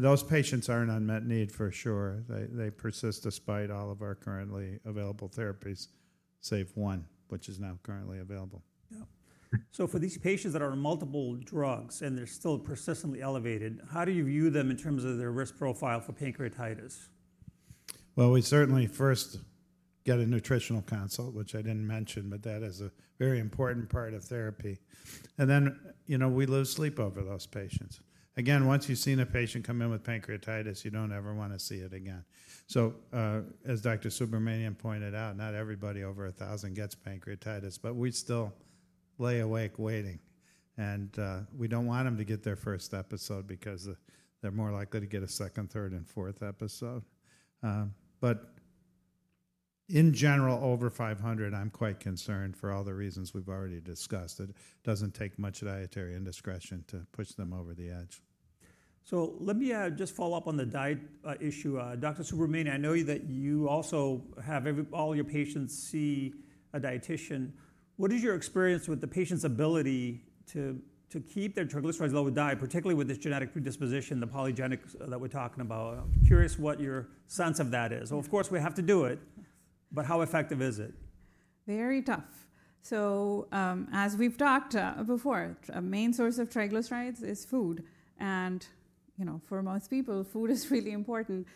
D: Those patients are an unmet need for sure. They persist despite all of our currently available therapies, save one, which is now currently available.
A: Yeah. For these patients that are on multiple drugs and they're still persistently elevated, how do you view them in terms of their risk profile for pancreatitis?
D: We certainly first get a nutritional consult, which I didn't mention, but that is a very important part of therapy. Then we lose sleep over those patients. Again, once you've seen a patient come in with pancreatitis, you don't ever want to see it again. As Dr. Subramanian pointed out, not everybody over 1,000 gets pancreatitis. We still lay awake waiting. We don't want them to get their first episode because they're more likely to get a second, third, and fourth episode. In general, over 500, I'm quite concerned for all the reasons we've already discussed. It doesn't take much dietary indiscretion to push them over the edge.
A: Let me just follow up on the diet issue. Dr. Subramanian, I know that you also have all your patients see a dietician. What is your experience with the patient's ability to keep their triglycerides low with diet, particularly with this genetic predisposition, the polygenic that we're talking about? Curious what your sense of that is. Of course, we have to do it. How effective is it?
C: Very tough. As we've talked before, a main source of triglycerides is food. For most people, food is really important.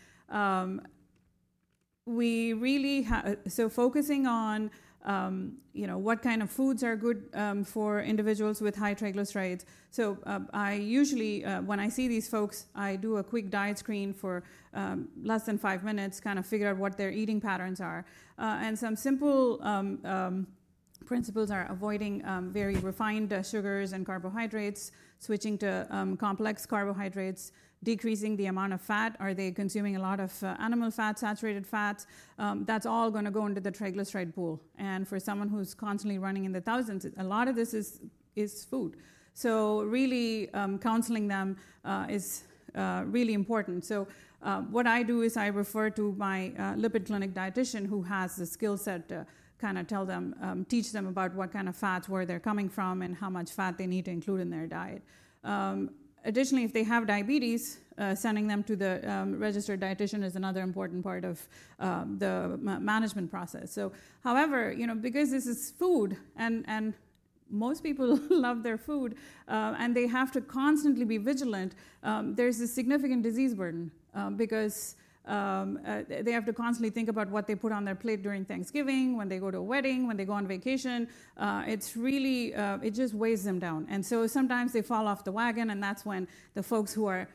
C: Focusing on what kind of foods are good for individuals with high triglycerides. Usually, when I see these folks, I do a quick diet screen for less than five minutes, kind of figure out what their eating patterns are. Some simple principles are avoiding very refined sugars and carbohydrates, switching to complex carbohydrates, decreasing the amount of fat. Are they consuming a lot of animal fat, saturated fat? That is all going to go into the triglyceride pool. For someone who is constantly running in the thousands, a lot of this is food. Really counseling them is really important. What I do is I refer to my lipid clinic dietician who has the skill set to kind of teach them about what kind of fats, where they're coming from, and how much fat they need to include in their diet. Additionally, if they have diabetes, sending them to the registered dietician is another important part of the management process. However, because this is food, and most people love their food, and they have to constantly be vigilant, there's a significant disease burden because they have to constantly think about what they put on their plate during Thanksgiving, when they go to a wedding, when they go on vacation. It just weighs them down. Sometimes they fall off the wagon. That's when the folks who are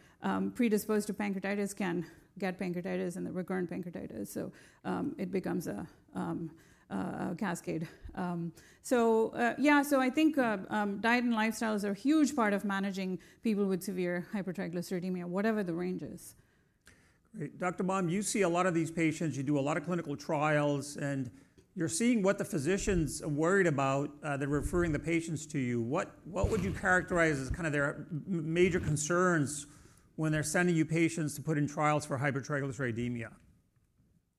C: predisposed to pancreatitis can get pancreatitis and recurrent pancreatitis. It becomes a cascade. Yeah, I think diet and lifestyle is a huge part of managing people with severe hypertriglyceridemia, whatever the range is.
A: Great. Dr. Baum, you see a lot of these patients. You do a lot of clinical trials. You are seeing what the physicians are worried about. They are referring the patients to you. What would you characterize as kind of their major concerns when they are sending you patients to put in trials for hypertriglyceridemia?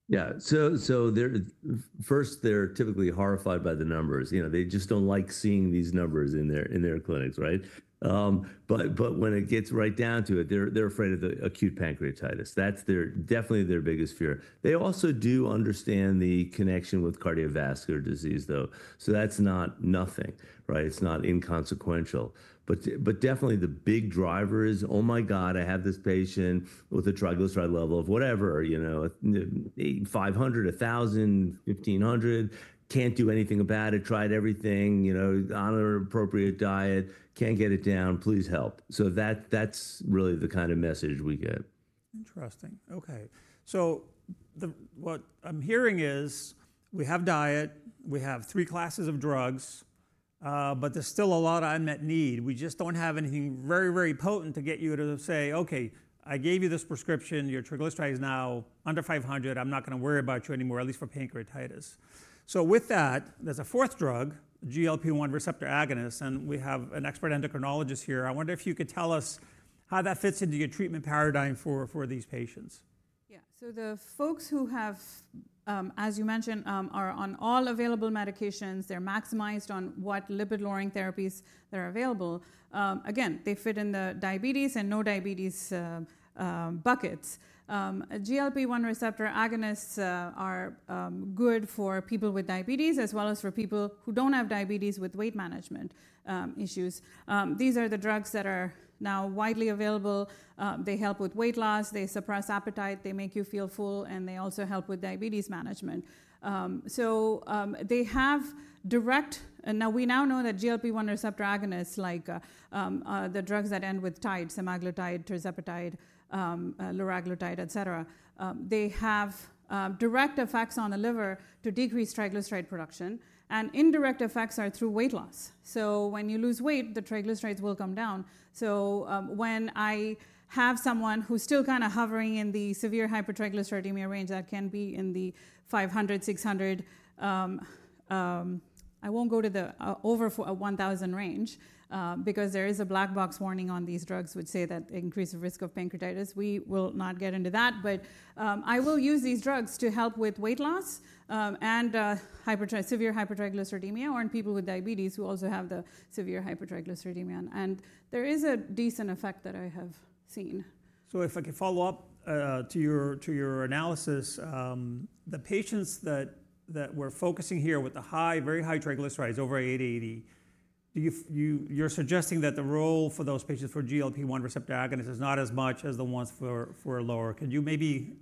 B: Yeah. First, they're typically horrified by the numbers. They just don't like seeing these numbers in their clinics, right? When it gets right down to it, they're afraid of the acute pancreatitis. That's definitely their biggest fear. They also do understand the connection with cardiovascular disease, though. That's not nothing, right? It's not inconsequential. Definitely, the big driver is, oh my God, I have this patient with a triglyceride level of whatever, 500, 1,000, 1,500, can't do anything about it, tried everything, on an appropriate diet, can't get it down, please help. That's really the kind of message we get.
A: Interesting. Okay. What I'm hearing is we have diet. We have three classes of drugs. There is still a lot of unmet need. We just do not have anything very, very potent to get you to say, okay, I gave you this prescription. Your triglyceride is now under 500. I am not going to worry about you anymore, at least for pancreatitis. With that, there is a fourth drug, GLP-1 receptor agonists. We have an expert endocrinologist here. I wonder if you could tell us how that fits into your treatment paradigm for these patients.
C: Yeah. The folks who have, as you mentioned, are on all available medications. They're maximized on what lipid-lowering therapies that are available. Again, they fit in the diabetes and no diabetes buckets. GLP-1 receptor agonists are good for people with diabetes as well as for people who don't have diabetes with weight management issues. These are the drugs that are now widely available. They help with weight loss. They suppress appetite. They make you feel full. They also help with diabetes management. They have direct, and now we now know that GLP-1 receptor agonists, like the drugs that end with tide, semaglutide, tirzepatide, liraglutide, et cetera, have direct effects on the liver to decrease triglyceride production. Indirect effects are through weight loss. When you lose weight, the triglycerides will come down. When I have someone who's still kind of hovering in the severe hypertriglyceridemia range, that can be in the 500-600. I won't go to the over 1,000 range because there is a black box warning on these drugs which say that increase the risk of pancreatitis. We will not get into that. I will use these drugs to help with weight loss and severe hypertriglyceridemia or in people with diabetes who also have the severe hypertriglyceridemia. There is a decent effect that I have seen.
A: If I could follow up to your analysis, the patients that we're focusing here with the very high triglycerides, over 880, you're suggesting that the role for those patients for GLP-1 receptor agonists is not as much as the ones for lower. Could you maybe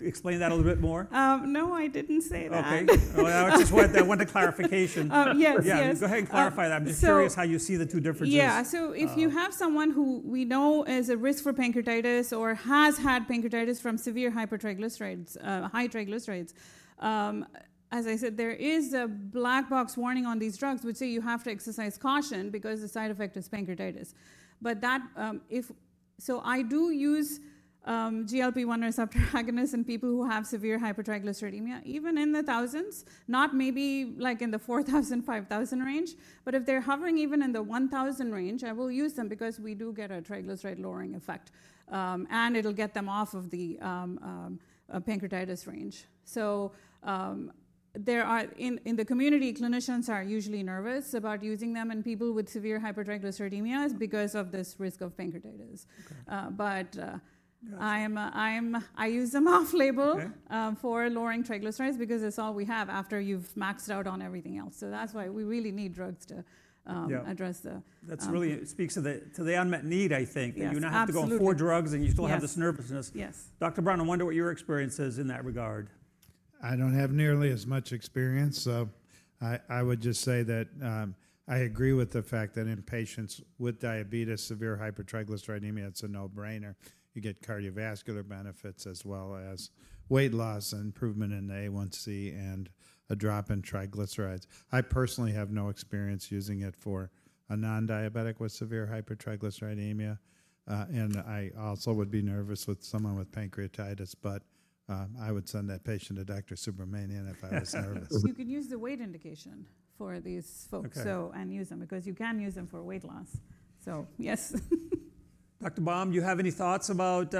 A: explain that a little bit more?
C: No, I didn't say that.
A: Okay. I just wanted a clarification.
C: Yes, yes.
A: Yeah. Go ahead and clarify that. I'm just curious how you see the two differences.
C: Yeah. So if you have someone who we know is at risk for pancreatitis or has had pancreatitis from severe hypertriglycerides, high triglycerides, as I said, there is a black box warning on these drugs which say you have to exercise caution because the side effect is pancreatitis. I do use GLP-1 receptor agonists in people who have severe hypertriglyceridemia, even in the thousands, not maybe like in the 4,000-5,000 range. If they're hovering even in the 1,000 range, I will use them because we do get a triglyceride-lowering effect. It'll get them off of the pancreatitis range. In the community, clinicians are usually nervous about using them in people with severe hypertriglyceridemia because of this risk of pancreatitis. I use them off-label for lowering triglycerides because that's all we have after you've maxed out on everything else. That's why we really need drugs to address the.
A: That really speaks to the unmet need, I think. You now have to go on four drugs, and you still have this nervousness. Dr. Brown, I wonder what your experience is in that regard.
D: I don't have nearly as much experience. I would just say that I agree with the fact that in patients with diabetes, severe hypertriglyceridemia, it's a no-brainer. You get cardiovascular benefits as well as weight loss and improvement in the A1C and a drop in triglycerides. I personally have no experience using it for a non-diabetic with severe hypertriglyceridemia. I also would be nervous with someone with pancreatitis. I would send that patient to Dr. Subramanian if I was nervous.
C: You could use the weight indication for these folks and use them because you can use them for weight loss. Yes.
A: Dr. Baum, do you have any thoughts about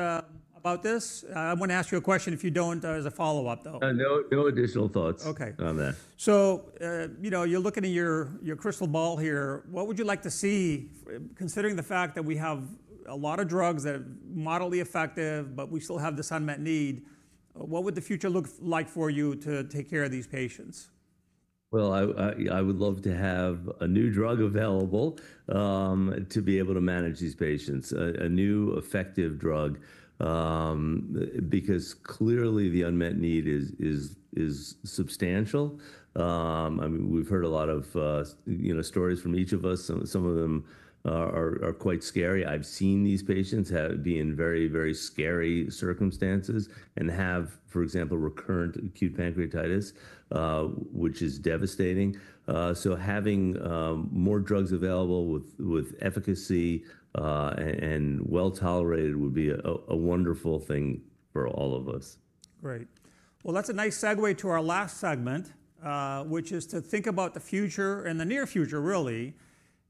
A: this? I want to ask you a question if you don't as a follow-up, though.
B: No additional thoughts on that.
A: Okay. You're looking at your crystal ball here. What would you like to see considering the fact that we have a lot of drugs that are moderately effective, but we still have this unmet need? What would the future look like for you to take care of these patients?
B: I would love to have a new drug available to be able to manage these patients, a new effective drug because clearly the unmet need is substantial. I mean, we've heard a lot of stories from each of us. Some of them are quite scary. I've seen these patients be in very, very scary circumstances and have, for example, recurrent acute pancreatitis, which is devastating. Having more drugs available with efficacy and well tolerated would be a wonderful thing for all of us.
A: Great. That is a nice segue to our last segment, which is to think about the future and the near future, really.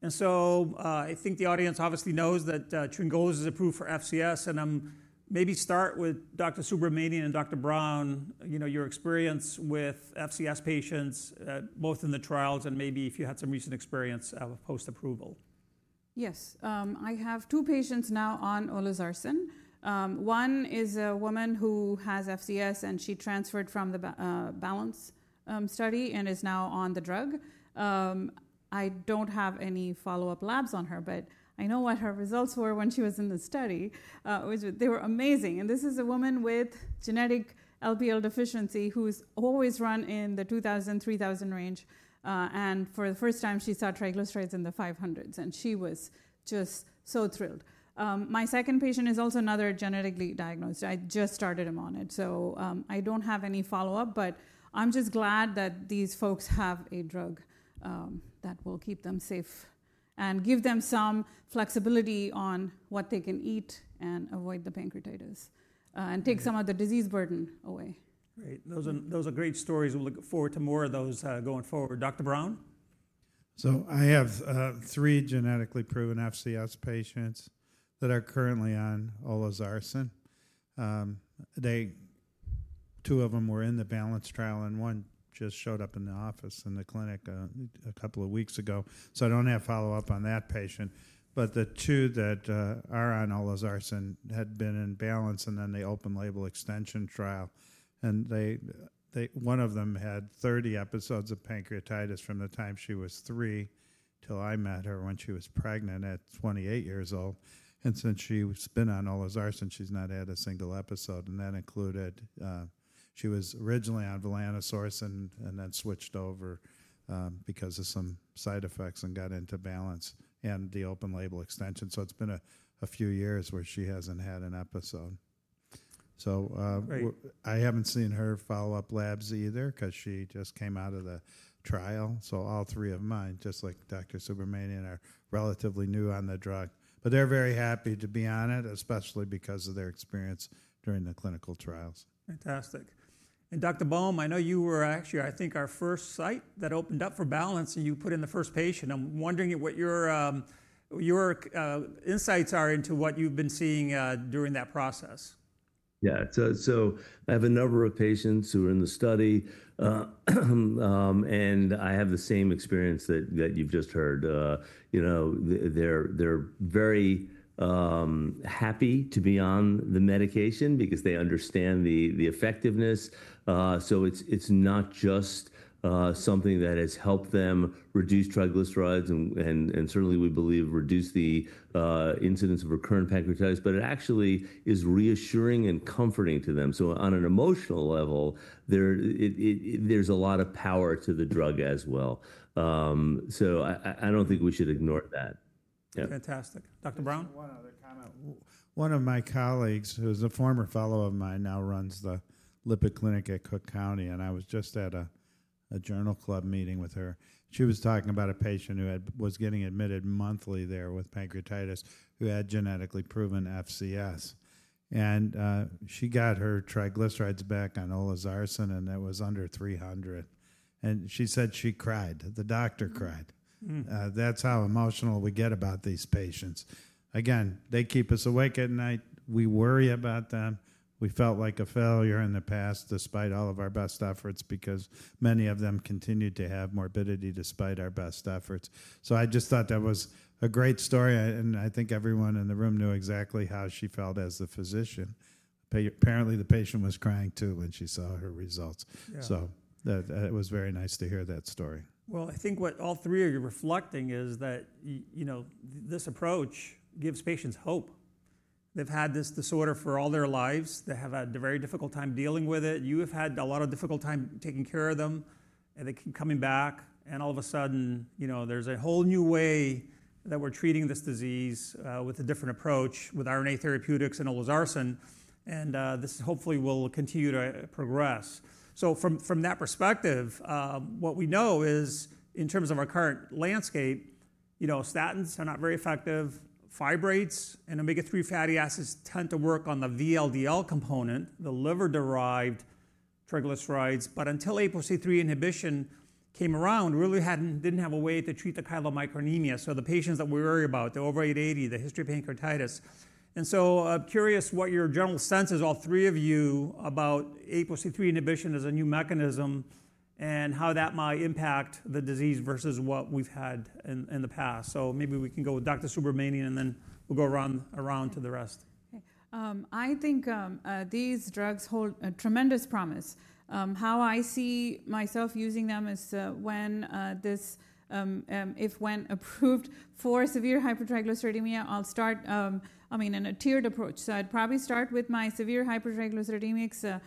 A: I think the audience obviously knows that donidalorsen is approved for FCS. Maybe start with Dr. Subramanian and Dr. Brown, your experience with FCS patients, both in the trials and maybe if you had some recent experience of post-approval.
C: Yes. I have two patients now on olezarsen. One is a woman who has FCS, and she transferred from the balance study and is now on the drug. I do not have any follow-up labs on her. I know what her results were when she was in the study. They were amazing. This is a woman with genetic LPL deficiency who has always run in the 2,000-3,000 range. For the first time, she saw triglycerides in the 500s. She was just so thrilled. My second patient is also another genetically diagnosed. I just started him on it. I do not have any follow-up. I am just glad that these folks have a drug that will keep them safe and give them some flexibility on what they can eat and avoid the pancreatitis and take some of the disease burden away.
A: Great. Those are great stories. We'll look forward to more of those going forward. Dr. Brown?
D: I have three genetically proven FCS patients that are currently on olezarsen. Two of them were in the BALANCE trial. One just showed up in the office in the clinic a couple of weeks ago. I do not have follow-up on that patient. The two that are on olezarsen had been in Balance and then the open-label extension trial. One of them had 30 episodes of pancreatitis from the time she was three until I met her when she was pregnant at 28 years old. Since she has been on olezarsen, she has not had a single episode. That included she was originally on volanesorsen and then switched over because of some side effects and got into Balance and the open-label extension. It has been a few years where she has not had an episode. I haven't seen her follow-up labs either because she just came out of the trial. All three of mine, just like Dr. Subramanian, are relatively new on the drug. They're very happy to be on it, especially because of their experience during the clinical trials.
A: Fantastic. Dr. Baum, I know you were actually, I think, our first site that opened up for Balance, and you put in the first patient. I'm wondering what your insights are into what you've been seeing during that process.
B: Yeah. I have a number of patients who are in the study. I have the same experience that you've just heard. They're very happy to be on the medication because they understand the effectiveness. It's not just something that has helped them reduce triglycerides. Certainly, we believe reduce the incidence of recurrent pancreatitis. It actually is reassuring and comforting to them. On an emotional level, there's a lot of power to the drug as well. I don't think we should ignore that.
A: Fantastic. Dr. Brown?
D: One other comment. One of my colleagues, who's a former fellow of mine, now runs the lipid clinic at Cook County. I was just at a journal club meeting with her. She was talking about a patient who was getting admitted monthly there with pancreatitis who had genetically proven FCS. She got her triglycerides back on olezarsen, and it was under 300. She said she cried. The doctor cried. That's how emotional we get about these patients. They keep us awake at night. We worry about them. We felt like a failure in the past despite all of our best efforts because many of them continued to have morbidity despite our best efforts. I just thought that was a great story. I think everyone in the room knew exactly how she felt as the physician. Apparently, the patient was crying too when she saw her results. It was very nice to hear that story.
A: I think what all three of you are reflecting is that this approach gives patients hope. They've had this disorder for all their lives. They have had a very difficult time dealing with it. You have had a lot of difficult time taking care of them. They keep coming back. All of a sudden, there's a whole new way that we're treating this disease with a different approach with RNA therapeutics and olezarsen. This hopefully will continue to progress. From that perspective, what we know is in terms of our current landscape, statins are not very effective. Fibrates and omega-3 fatty acids tend to work on the VLDL component, the liver-derived triglycerides. Until APOC3 inhibition came around, we really didn't have a way to treat the chylomicronemia. The patients that we worry about, the overweight 80, the history of pancreatitis. I'm curious what your general sense is, all three of you, about APOC3 inhibition as a new mechanism and how that might impact the disease versus what we've had in the past. Maybe we can go with Dr. Subramanian, and then we'll go around to the rest.
C: I think these drugs hold tremendous promise. How I see myself using them is if when approved for severe hypertriglyceridemia, I'll start, I mean, in a tiered approach. I'd probably start with my severe hypertriglyceridemics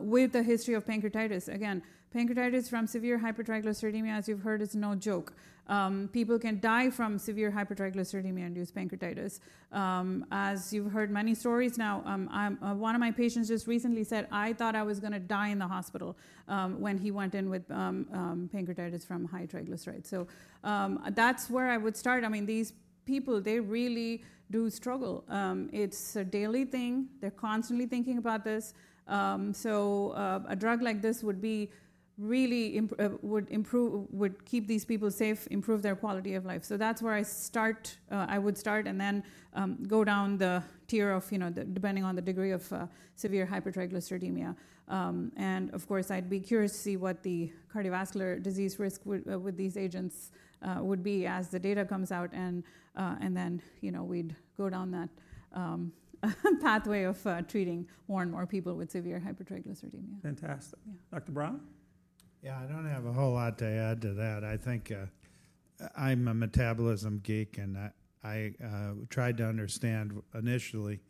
C: with a history of pancreatitis. Again, pancreatitis from severe hypertriglyceridemia, as you've heard, is no joke. People can die from severe hypertriglyceridemia-induced pancreatitis. As you've heard many stories now, one of my patients just recently said, "I thought I was going to die in the hospital when he went in with pancreatitis from high triglycerides." That's where I would start. I mean, these people, they really do struggle. It's a daily thing. They're constantly thinking about this. A drug like this would really keep these people safe, improve their quality of life. That's where I would start and then go down the tier depending on the degree of severe hypertriglyceridemia. I would be curious to see what the cardiovascular disease risk with these agents would be as the data comes out. Then we would go down that pathway of treating more and more people with severe hypertriglyceridemia.
A: Fantastic. Dr. Brown?
D: Yeah. I don't have a whole lot to add to that. I think I'm a metabolism geek. And I tried to understand initially,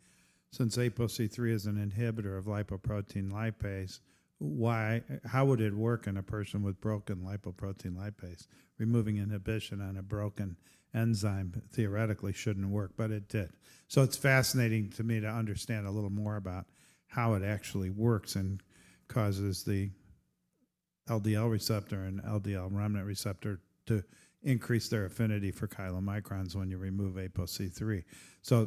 D: since APOC3 is an inhibitor of lipoprotein lipase, how would it work in a person with broken lipoprotein lipase? Removing inhibition on a broken enzyme theoretically shouldn't work. But it did. It is fascinating to me to understand a little more about how it actually works and causes the LDL receptor and LDL remnant receptor to increase their affinity for chylomicrons when you remove APOC3.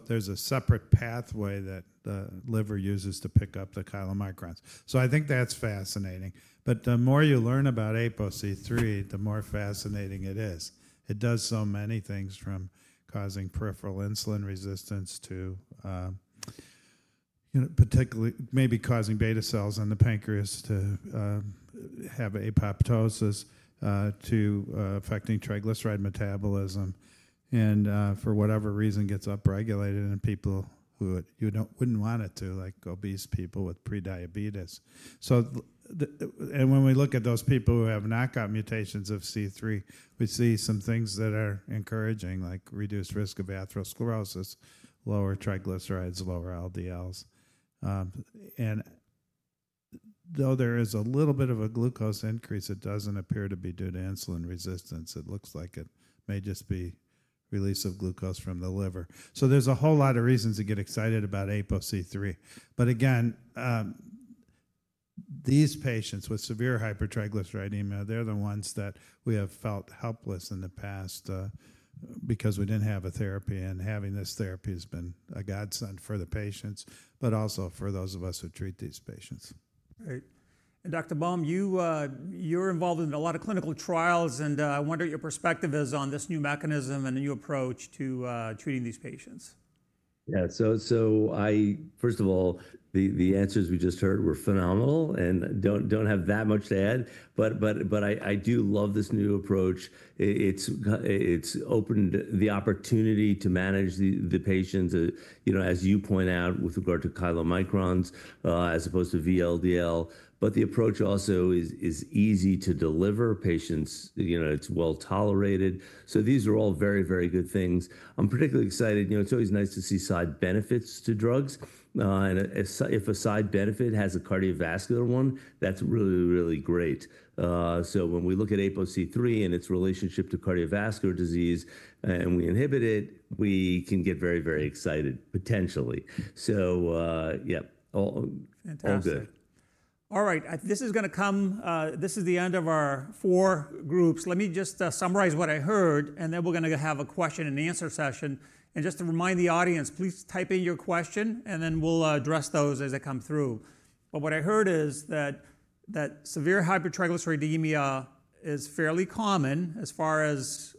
D: There is a separate pathway that the liver uses to pick up the chylomicrons. I think that's fascinating. The more you learn about APOC3, the more fascinating it is. It does so many things from causing peripheral insulin resistance to particularly maybe causing beta cells in the pancreas to have apoptosis to affecting triglyceride metabolism. For whatever reason, gets upregulated in people who wouldn't want it to, like obese people with prediabetes. When we look at those people who have knockout mutations of C3, we see some things that are encouraging, like reduced risk of atherosclerosis, lower triglycerides, lower LDLs. Though there is a little bit of a glucose increase, it doesn't appear to be due to insulin resistance. It looks like it may just be release of glucose from the liver. There is a whole lot of reasons to get excited about APOC3. Again, these patients with severe hypertriglyceridemia, they're the ones that we have felt helpless in the past because we didn't have a therapy. Having this therapy has been a godsend for the patients, but also for those of us who treat these patients.
A: Great. Dr. Baum, you're involved in a lot of clinical trials. I wonder what your perspective is on this new mechanism and the new approach to treating these patients.
B: Yeah. First of all, the answers we just heard were phenomenal. I don't have that much to add. I do love this new approach. It's opened the opportunity to manage the patients, as you point out, with regard to chylomicrons as opposed to VLDL. The approach also is easy to deliver patients. It's well tolerated. These are all very, very good things. I'm particularly excited. It's always nice to see side benefits to drugs. If a side benefit has a cardiovascular one, that's really, really great. When we look at APOC3 and its relationship to cardiovascular disease and we inhibit it, we can get very, very excited potentially. Yeah.
A: Fantastic. All right. This is going to come this is the end of our four groups. Let me just summarize what I heard. Then we're going to have a question and answer session. Just to remind the audience, please type in your question. Then we'll address those as they come through. What I heard is that severe hypertriglyceridemia is fairly common as far as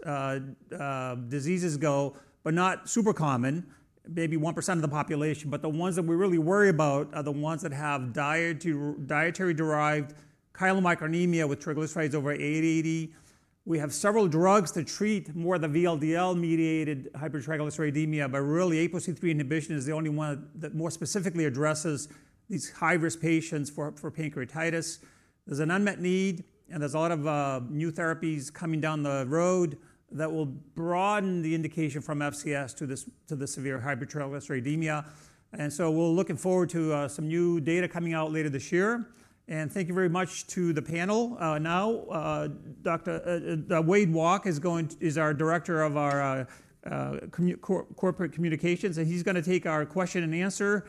A: diseases go, but not super common, maybe 1% of the population. The ones that we really worry about are the ones that have dietary-derived chylomicronemia with triglycerides over 880. We have several drugs to treat more of the VLDL-mediated hypertriglyceridemia. Really, APOC3 inhibition is the only one that more specifically addresses these high-risk patients for pancreatitis. There's an unmet need. There are a lot of new therapies coming down the road that will broaden the indication from FCS to severe hypertriglyceridemia. We are looking forward to some new data coming out later this year. Thank you very much to the panel. Dr. Wade Walke is our Director of Corporate Communications, and he is going to take our question and answer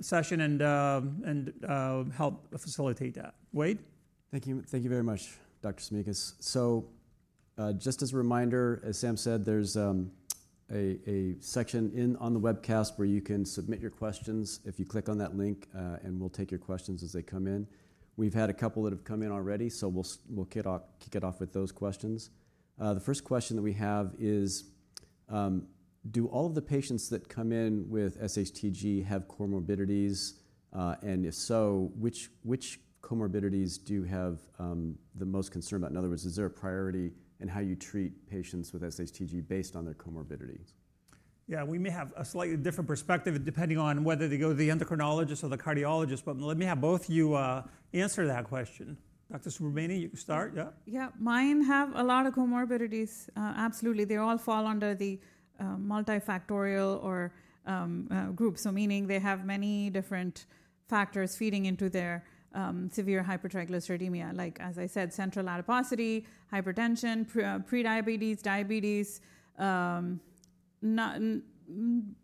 A: session and help facilitate that. Wade?
E: Thank you very much, Dr. Tsimikas. Just as a reminder, as Sam said, there's a section on the webcast where you can submit your questions if you click on that link. We'll take your questions as they come in. We've had a couple that have come in already. We'll kick it off with those questions. The first question that we have is, do all of the patients that come in with SHTG have comorbidities? If so, which comorbidities do you have the most concern about? In other words, is there a priority in how you treat patients with SHTG based on their comorbidities?
A: Yeah. We may have a slightly different perspective depending on whether they go to the endocrinologist or the cardiologist. Let me have both of you answer that question. Dr. Subramanian, you can start. Yeah.
C: Yeah. Mine have a lot of comorbidities. Absolutely. They all fall under the multifactorial group. Meaning they have many different factors feeding into their severe hypertriglyceridemia, like, as I said, central adiposity, hypertension, prediabetes, diabetes,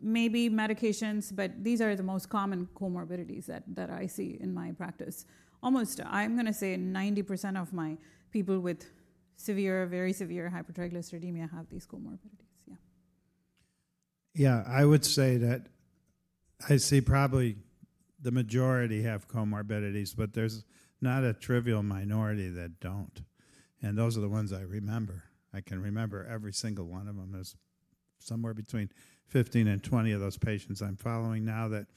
C: maybe medications. These are the most common comorbidities that I see in my practice. Almost, I'm going to say 90% of my people with severe, very severe hypertriglyceridemia have these comorbidities. Yeah.
D: Yeah. I would say that I see probably the majority have comorbidities. There is not a trivial minority that do not. Those are the ones I remember. I can remember every single one of them. There are somewhere between 15 and 20 of those patients I am following now that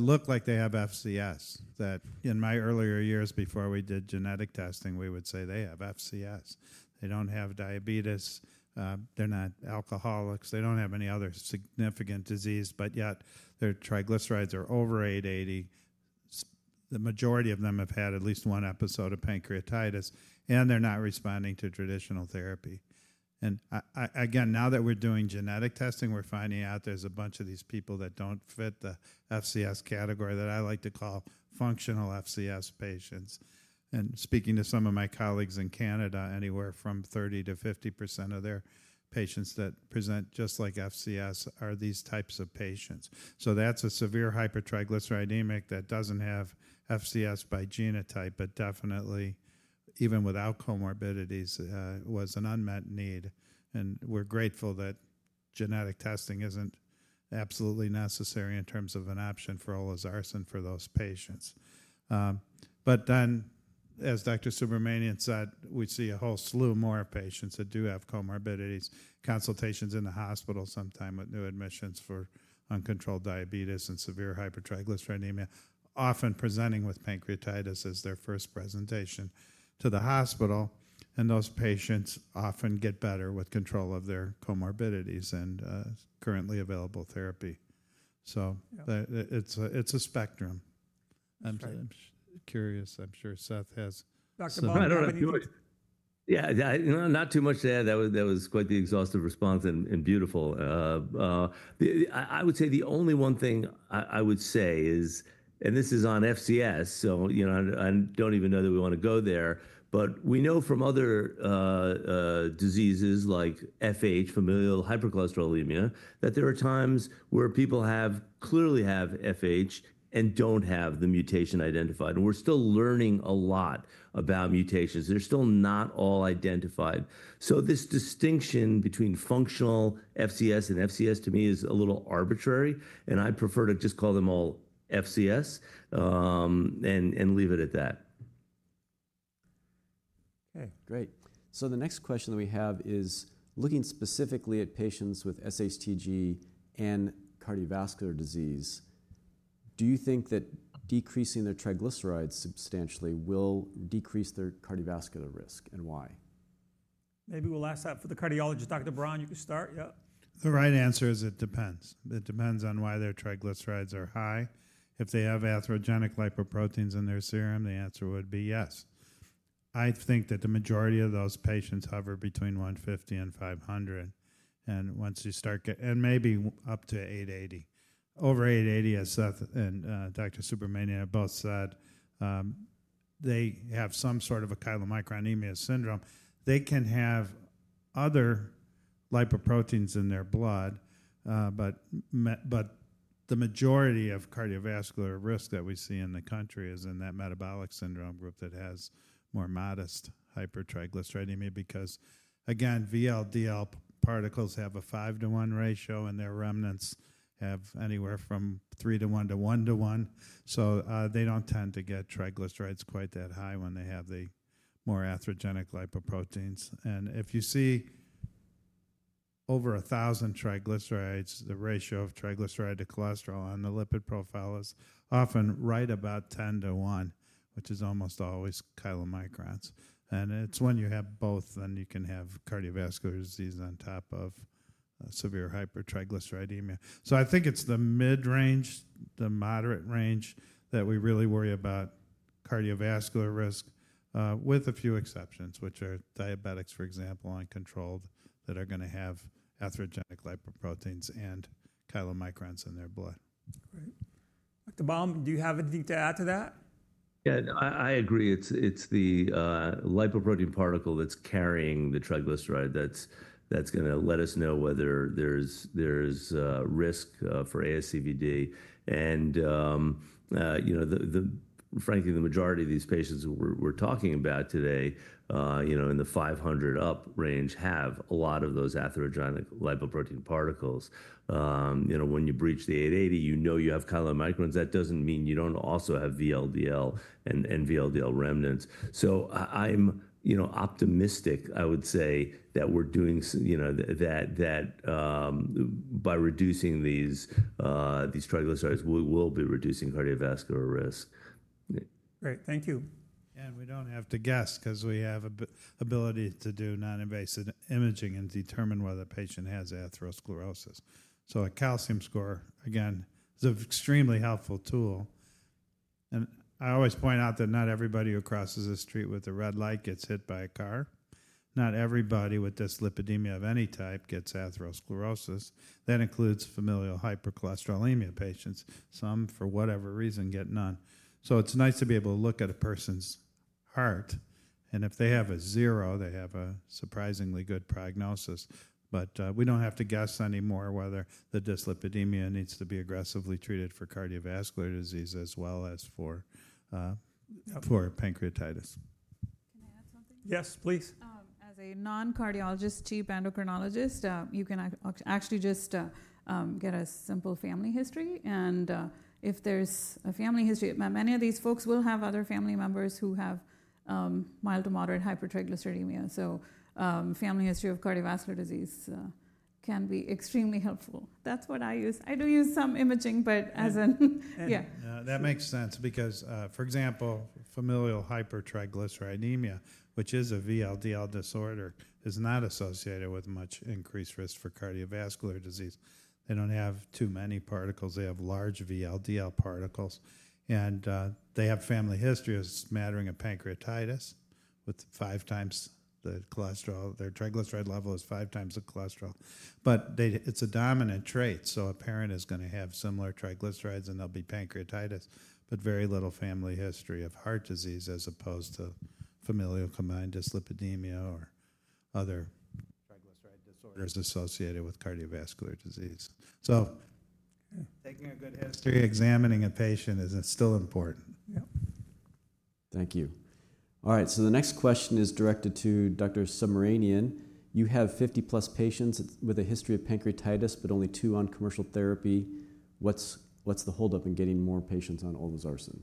D: look like they have FCS, that in my earlier years before we did genetic testing, we would say they have FCS. They do not have diabetes. They are not alcoholics. They do not have any other significant disease. Yet, their triglycerides are over 880. The majority of them have had at least one episode of pancreatitis. They are not responding to traditional therapy. Again, now that we are doing genetic testing, we are finding out there are a bunch of these people that do not fit the FCS category that I like to call functional FCS patients. Speaking to some of my colleagues in Canada, anywhere from 30%-50% of their patients that present just like FCS are these types of patients. That is a severe hypertriglyceridemia that does not have FCS by genotype. Definitely, even without comorbidities, it was an unmet need. We are grateful that genetic testing is not absolutely necessary in terms of an option for olezarsen for those patients. As Dr. Subramanian said, we see a whole slew more of patients that do have comorbidities, consultations in the hospital sometime with new admissions for uncontrolled diabetes and severe hypertriglyceridemia, often presenting with pancreatitis as their first presentation to the hospital. Those patients often get better with control of their comorbidities and currently available therapy. It is a spectrum. I am curious. I am sure Seth has something.
B: Yeah. Not too much to add. That was quite the exhaustive response and beautiful. I would say the only one thing I would say is, and this is on FCS. I do not even know that we want to go there. We know from other diseases like FH, familial hypercholesterolemia, that there are times where people clearly have FH and do not have the mutation identified. We are still learning a lot about mutations. They are still not all identified. This distinction between functional FCS and FCS, to me, is a little arbitrary. I prefer to just call them all FCS and leave it at that.
E: OK. Great. The next question that we have is, looking specifically at patients with SHTG and cardiovascular disease, do you think that decreasing their triglycerides substantially will decrease their cardiovascular risk? And why?
A: Maybe we'll ask that for the cardiologist. Dr. Brown, you can start. Yeah.
D: The right answer is it depends. It depends on why their triglycerides are high. If they have atherogenic lipoproteins in their serum, the answer would be yes. I think that the majority of those patients hover between 150 and 500. Once you start getting and maybe up to 880. Over 880, as Seth and Dr. Subramanian both said, they have some sort of a chylomicronemia syndrome. They can have other lipoproteins in their blood. The majority of cardiovascular risk that we see in the country is in that metabolic syndrome group that has more modest hypertriglyceridemia because, again, VLDL particles have a 5 to 1 ratio. Their remnants have anywhere from 3 to 1 to 1 to 1. They do not tend to get triglycerides quite that high when they have the more atherogenic lipoproteins. If you see over 1,000 triglycerides, the ratio of triglyceride to cholesterol on the lipid profile is often right about 10 to 1, which is almost always chylomicrons. It is when you have both, then you can have cardiovascular disease on top of severe hypertriglyceridemia. I think it is the mid-range, the moderate range that we really worry about cardiovascular risk, with a few exceptions, which are diabetics, for example, uncontrolled, that are going to have atherogenic lipoproteins and chylomicrons in their blood.
A: Great. Dr. Baum, do you have anything to add to that?
B: Yeah. I agree. It's the lipoprotein particle that's carrying the triglyceride that's going to let us know whether there's risk for ASCVD. Frankly, the majority of these patients we're talking about today in the 500 up range have a lot of those atherogenic lipoprotein particles. When you breach the 80, you know you have chylomicrons. That doesn't mean you don't also have VLDL and VLDL remnants. I'm optimistic, I would say, that by reducing these triglycerides, we will be reducing cardiovascular risk.
A: Great. Thank you.
D: We do not have to guess because we have the ability to do non-invasive imaging and determine whether the patient has atherosclerosis. A calcium score, again, is an extremely helpful tool. I always point out that not everybody who crosses the street with a red light gets hit by a car. Not everybody with dyslipidemia of any type gets atherosclerosis. That includes familial hypercholesterolemia patients. Some, for whatever reason, get none. It is nice to be able to look at a person's heart. If they have a zero, they have a surprisingly good prognosis. We do not have to guess anymore whether the dyslipidemia needs to be aggressively treated for cardiovascular disease as well as for pancreatitis.
C: Can I add something?
A: Yes, please.
C: As a non-cardiologist Chief Endocrinologist, you can actually just get a simple family history. If there's a family history, many of these folks will have other family members who have mild to moderate hypertriglyceridemia. Family history of cardiovascular disease can be extremely helpful. That's what I use. I do use some imaging. As an.
D: That makes sense because, for example, familial hypertriglyceridemia, which is a VLDL disorder, is not associated with much increased risk for cardiovascular disease. They do not have too many particles. They have large VLDL particles. And they have family history of smattering of pancreatitis with five times the cholesterol. Their triglyceride level is five times the cholesterol. But it is a dominant trait. So a parent is going to have similar triglycerides. And there will be pancreatitis. But very little family history of heart disease as opposed to familial combined dyslipidemia or other triglyceride disorders associated with cardiovascular disease. Taking a good history, examining a patient is still important.
E: Thank you. All right. The next question is directed to Dr. Subramanian. You have 50-plus patients with a history of pancreatitis but only two on commercial therapy. What's the holdup in getting more patients on olezarsen?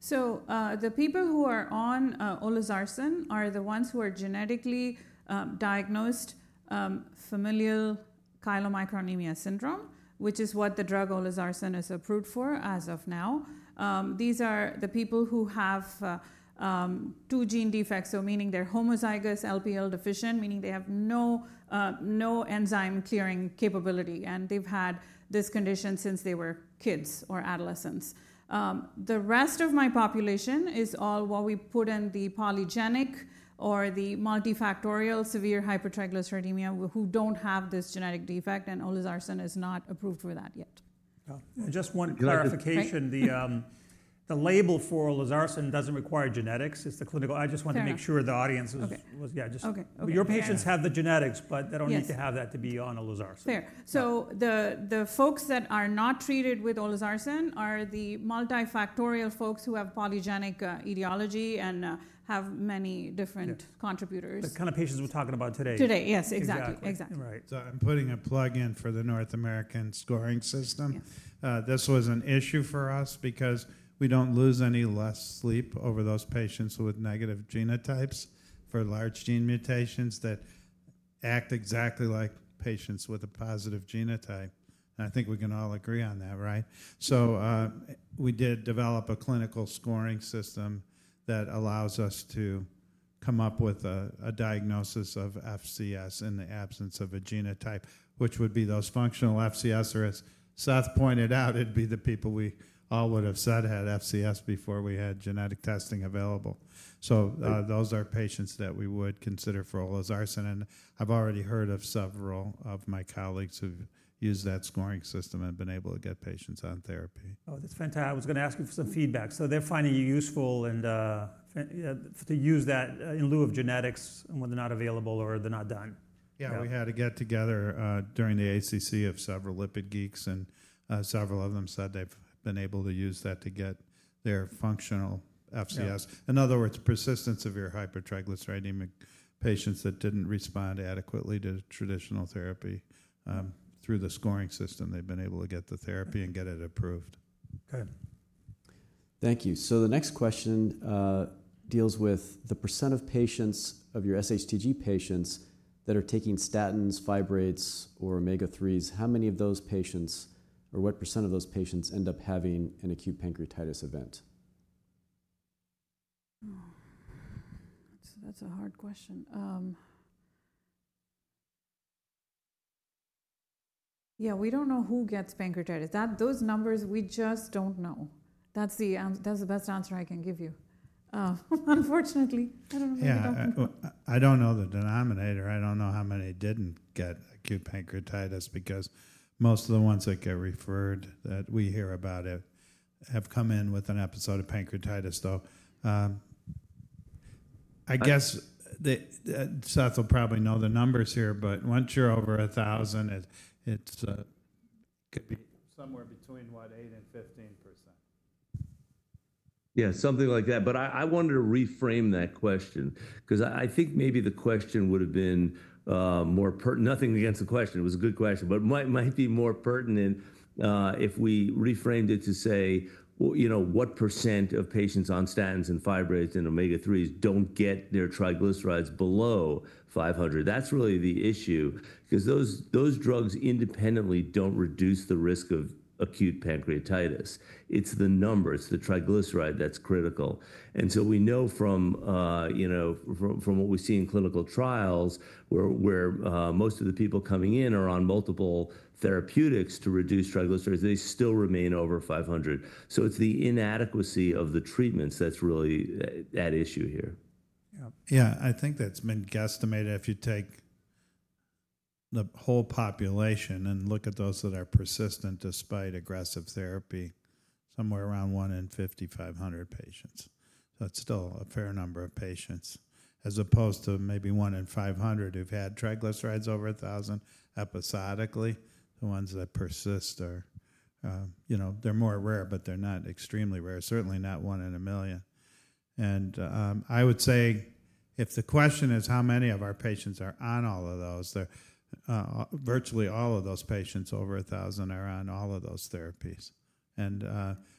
C: The people who are on olezarsen are the ones who are genetically diagnosed familial chylomicronemia syndrome, which is what the drug olezarsen is approved for as of now. These are the people who have two gene defects, so meaning they're homozygous LPL deficient, meaning they have no enzyme clearing capability. They've had this condition since they were kids or adolescents. The rest of my population is all what we put in the polygenic or the multifactorial severe hypertriglyceridemia who don't have this genetic defect. olezarsen is not approved for that yet.
A: Just one clarification. The label for olezarsen doesn't require genetics. It's the clinical. I just want to make sure the audience was, yeah. Your patients have the genetics. But they don't need to have that to be on olezarsen.
C: Fair. The folks that are not treated with olezarsen are the multifactorial folks who have polygenic etiology and have many different contributors.
A: The kind of patients we're talking about today.
C: Today. Yes. Exactly. Exactly.
D: I'm putting a plug in for the North American scoring system. This was an issue for us because we do not lose any less sleep over those patients with negative genotypes for large gene mutations that act exactly like patients with a positive genotype. I think we can all agree on that, right? We did develop a clinical scoring system that allows us to come up with a diagnosis of FCS in the absence of a genotype, which would be those functional FCS. As Seth pointed out, it would be the people we all would have said had FCS before we had genetic testing available. Those are patients that we would consider for olezarsen. I have already heard of several of my colleagues who have used that scoring system and been able to get patients on therapy.
A: Oh, that's fantastic. I was going to ask you for some feedback. They're finding you useful to use that in lieu of genetics when they're not available or they're not done.
D: Yeah. We had a get-together during the ACC of several lipid geeks. Several of them said they've been able to use that to get their functional FCS. In other words, persistent severe hypertriglyceridemia patients that didn't respond adequately to traditional therapy through the scoring system, they've been able to get the therapy and get it approved.
A: OK.
E: Thank you. The next question deals with the percent of your SHTG patients that are taking statins, fibrates, or omega-3s. How many of those patients or what percent of those patients end up having an acute pancreatitis event?
C: That's a hard question. Yeah. We don't know who gets pancreatitis. Those numbers, we just don't know. That's the best answer I can give you. Unfortunately, I don't know.
D: I don't know the denominator. I don't know how many didn't get acute pancreatitis because most of the ones that get referred that we hear about have come in with an episode of pancreatitis. I guess Seth will probably know the numbers here. Once you're over 1,000, it could be somewhere between 8% and 15%.
B: Yeah. Something like that. I wanted to reframe that question because I think maybe the question would have been more—nothing against the question. It was a good question. It might be more pertinent if we reframed it to say, what percent of patients on statins and fibrates and omega-3s do not get their triglycerides below 500? That is really the issue because those drugs independently do not reduce the risk of acute pancreatitis. It is the number. It is the triglyceride that is critical. We know from what we see in clinical trials where most of the people coming in are on multiple therapeutics to reduce triglycerides, they still remain over 500. It is the inadequacy of the treatments that is really at issue here.
D: Yeah. Yeah. I think that's been guesstimated. If you take the whole population and look at those that are persistent despite aggressive therapy, somewhere around 1 in 5,500 patients. It is still a fair number of patients as opposed to maybe 1 in 500 who've had triglycerides over 1,000 episodically. The ones that persist, they're more rare. They're not extremely rare, certainly not 1 in a million. I would say if the question is how many of our patients are on all of those, virtually all of those patients over 1,000 are on all of those therapies.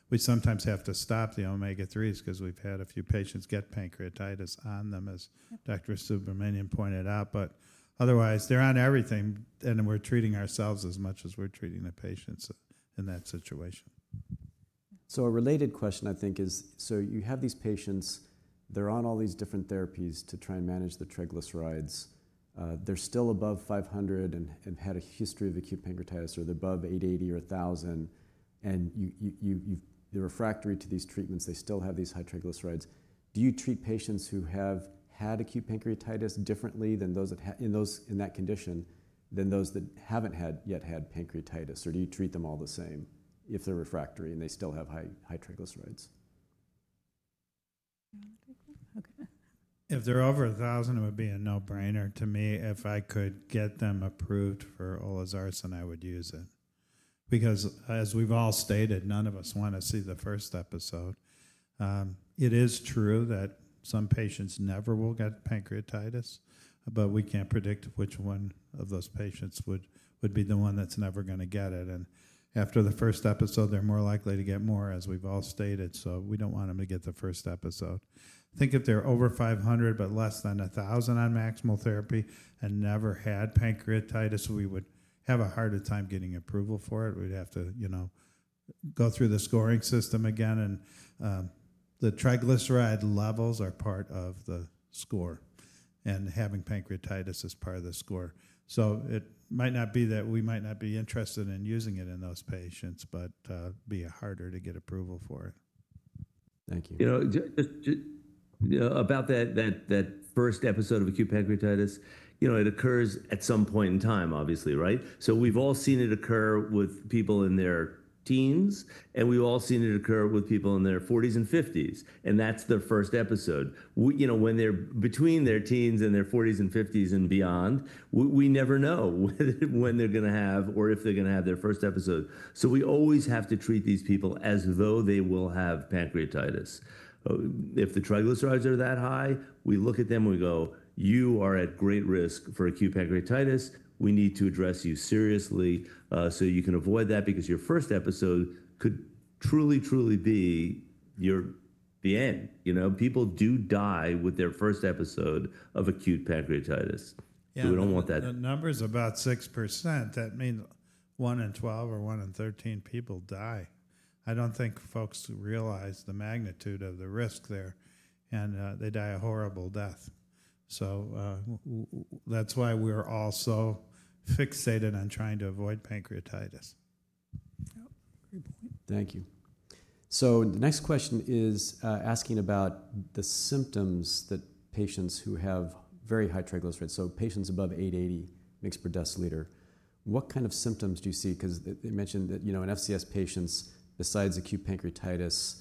D: We sometimes have to stop the omega-3s because we've had a few patients get pancreatitis on them, as Dr. Subramanian pointed out. Otherwise, they're on everything. We're treating ourselves as much as we're treating the patients in that situation.
E: A related question, I think, is you have these patients. They're on all these different therapies to try and manage the triglycerides. They're still above 500 and had a history of acute pancreatitis. Or they're above 880 or 1,000. And they're refractory to these treatments. They still have these high triglycerides. Do you treat patients who have had acute pancreatitis differently in that condition than those that haven't yet had pancreatitis? Do you treat them all the same if they're refractory and they still have high triglycerides?
D: If they're over 1,000, it would be a no-brainer to me. If I could get them approved for olezarsen, I would use it because, as we've all stated, none of us want to see the first episode. It is true that some patients never will get pancreatitis. We can't predict which one of those patients would be the one that's never going to get it. After the first episode, they're more likely to get more, as we've all stated. We don't want them to get the first episode. I think if they're over 500 but less than 1,000 on maximal therapy and never had pancreatitis, we would have a harder time getting approval for it. We'd have to go through the scoring system again. The triglyceride levels are part of the score. Having pancreatitis is part of the score. It might not be that we might not be interested in using it in those patients. It'd be harder to get approval for it.
E: Thank you.
B: About that first episode of acute pancreatitis, it occurs at some point in time, obviously, right? We've all seen it occur with people in their teens. We've all seen it occur with people in their 40s and 50s. That's their first episode. When they're between their teens and their 40s and 50s and beyond, we never know when they're going to have or if they're going to have their first episode. We always have to treat these people as though they will have pancreatitis. If the triglycerides are that high, we look at them. We go, you are at great risk for acute pancreatitis. We need to address you seriously so you can avoid that because your first episode could truly, truly be the end. People do die with their first episode of acute pancreatitis. We don't want that.
D: The number is about 6%. That means 1 in 12 or 1 in 13 people die. I don't think folks realize the magnitude of the risk there. They die a horrible death. That is why we're also fixated on trying to avoid pancreatitis.
E: Thank you. The next question is asking about the symptoms that patients who have very high triglycerides, so patients above 880 mg/dL. What kind of symptoms do you see? Because you mentioned that in FCS patients, besides acute pancreatitis,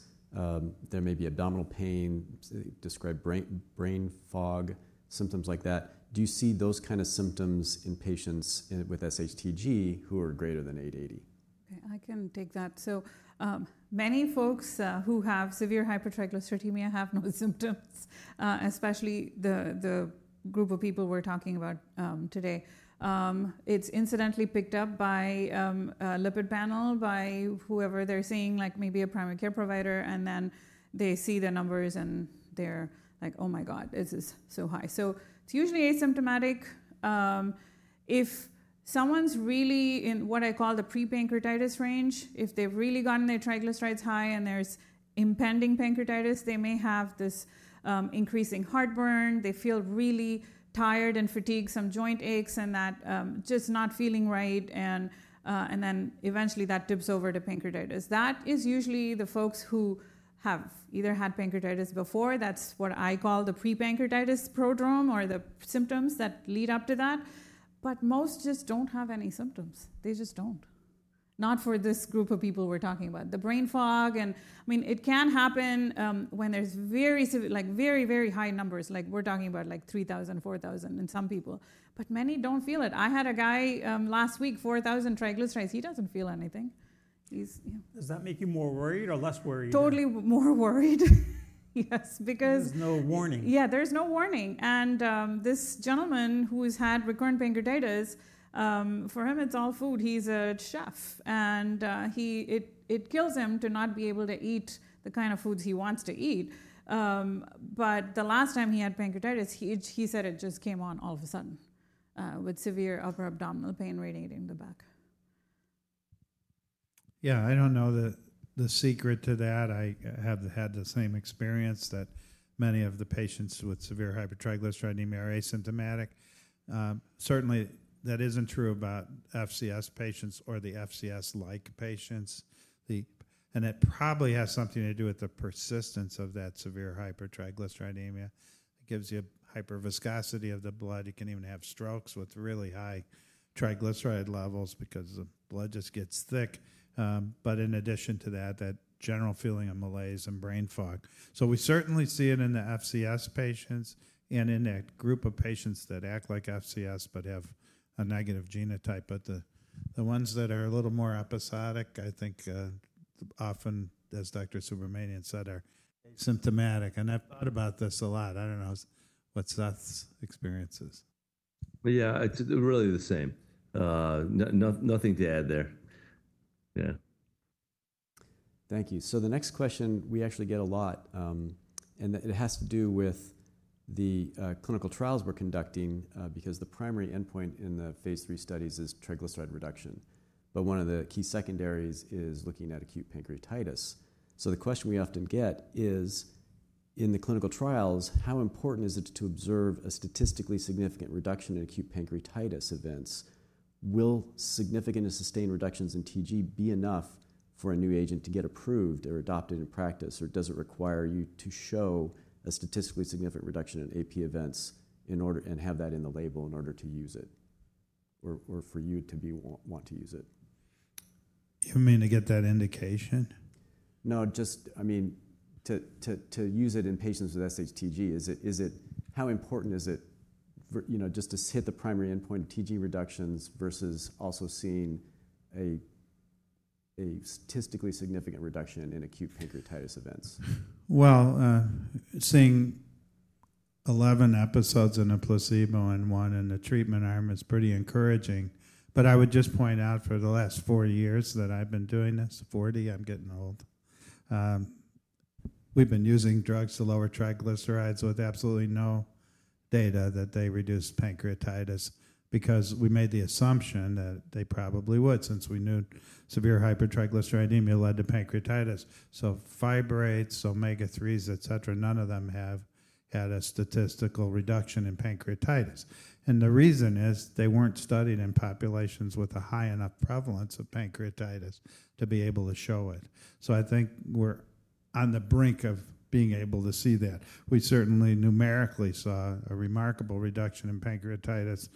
E: there may be abdominal pain. You described brain fog, symptoms like that. Do you see those kind of symptoms in patients with SHTG who are greater than 880?
C: I can take that. Many folks who have severe hypertriglyceridemia have no symptoms, especially the group of people we're talking about today. It's incidentally picked up by a lipid panel, by whoever they're seeing, like maybe a primary care provider. They see the numbers, and they're like, oh my god, this is so high. It's usually asymptomatic. If someone's really in what I call the pre-pancreatitis range, if they've really gotten their triglycerides high and there's impending pancreatitis, they may have this increasing heartburn. They feel really tired and fatigued, some joint aches, and that just not feeling right. Eventually, that dips over to pancreatitis. That is usually the folks who have either had pancreatitis before. That's what I call the pre-pancreatitis prodrome or the symptoms that lead up to that. Most just don't have any symptoms. They just don't, not for this group of people we're talking about. The brain fog, I mean, it can happen when there's very, very high numbers. Like we're talking about like 3,000-4,000 in some people. Many don't feel it. I had a guy last week, 4,000 triglycerides. He doesn't feel anything.
A: Does that make you more worried or less worried?
C: Totally more worried. Yes, because.
A: There's no warning.
C: Yeah. There's no warning. This gentleman who's had recurrent pancreatitis, for him, it's all food. He's a chef. It kills him to not be able to eat the kind of foods he wants to eat. The last time he had pancreatitis, he said it just came on all of a sudden with severe upper abdominal pain radiating to the back.
D: Yeah. I don't know the secret to that. I have had the same experience that many of the patients with severe hypertriglyceridemia are asymptomatic. Certainly, that isn't true about FCS patients or the FCS-like patients. It probably has something to do with the persistence of that severe hypertriglyceridemia. It gives you hyperviscosity of the blood. You can even have strokes with really high triglyceride levels because the blood just gets thick. In addition to that, that general feeling of malaise and brain fog. We certainly see it in the FCS patients and in that group of patients that act like FCS but have a negative genotype. The ones that are a little more episodic, I think, often, as Dr. Subramanian said, are asymptomatic. I've thought about this a lot. I don't know what Seth's experience is.
B: Yeah. It's really the same. Nothing to add there. Yeah.
E: Thank you. The next question we actually get a lot. It has to do with the clinical trials we're conducting because the primary endpoint in the phase III studies is triglyceride reduction. One of the key secondaries is looking at acute pancreatitis. The question we often get is, in the clinical trials, how important is it to observe a statistically significant reduction in acute pancreatitis events? Will significant and sustained reductions in TG be enough for a new agent to get approved or adopted in practice? Does it require you to show a statistically significant reduction in AP events and have that in the label in order to use it or for you to want to use it?
D: You mean to get that indication?
E: No. Just, I mean, to use it in patients with SHTG, how important is it just to hit the primary endpoint of TG reductions versus also seeing a statistically significant reduction in acute pancreatitis events?
D: Seeing 11 episodes in a placebo and one in a treatment arm is pretty encouraging. I would just point out for the last four years that I've been doing this, 40. I'm getting old. We've been using drugs to lower triglycerides with absolutely no data that they reduce pancreatitis because we made the assumption that they probably would since we knew severe hypertriglyceridemia led to pancreatitis. Fibrates, omega-3s, et cetera, none of them have had a statistical reduction in pancreatitis. The reason is they weren't studied in populations with a high enough prevalence of pancreatitis to be able to show it. I think we're on the brink of being able to see that. We certainly numerically saw a remarkable reduction in pancreatitis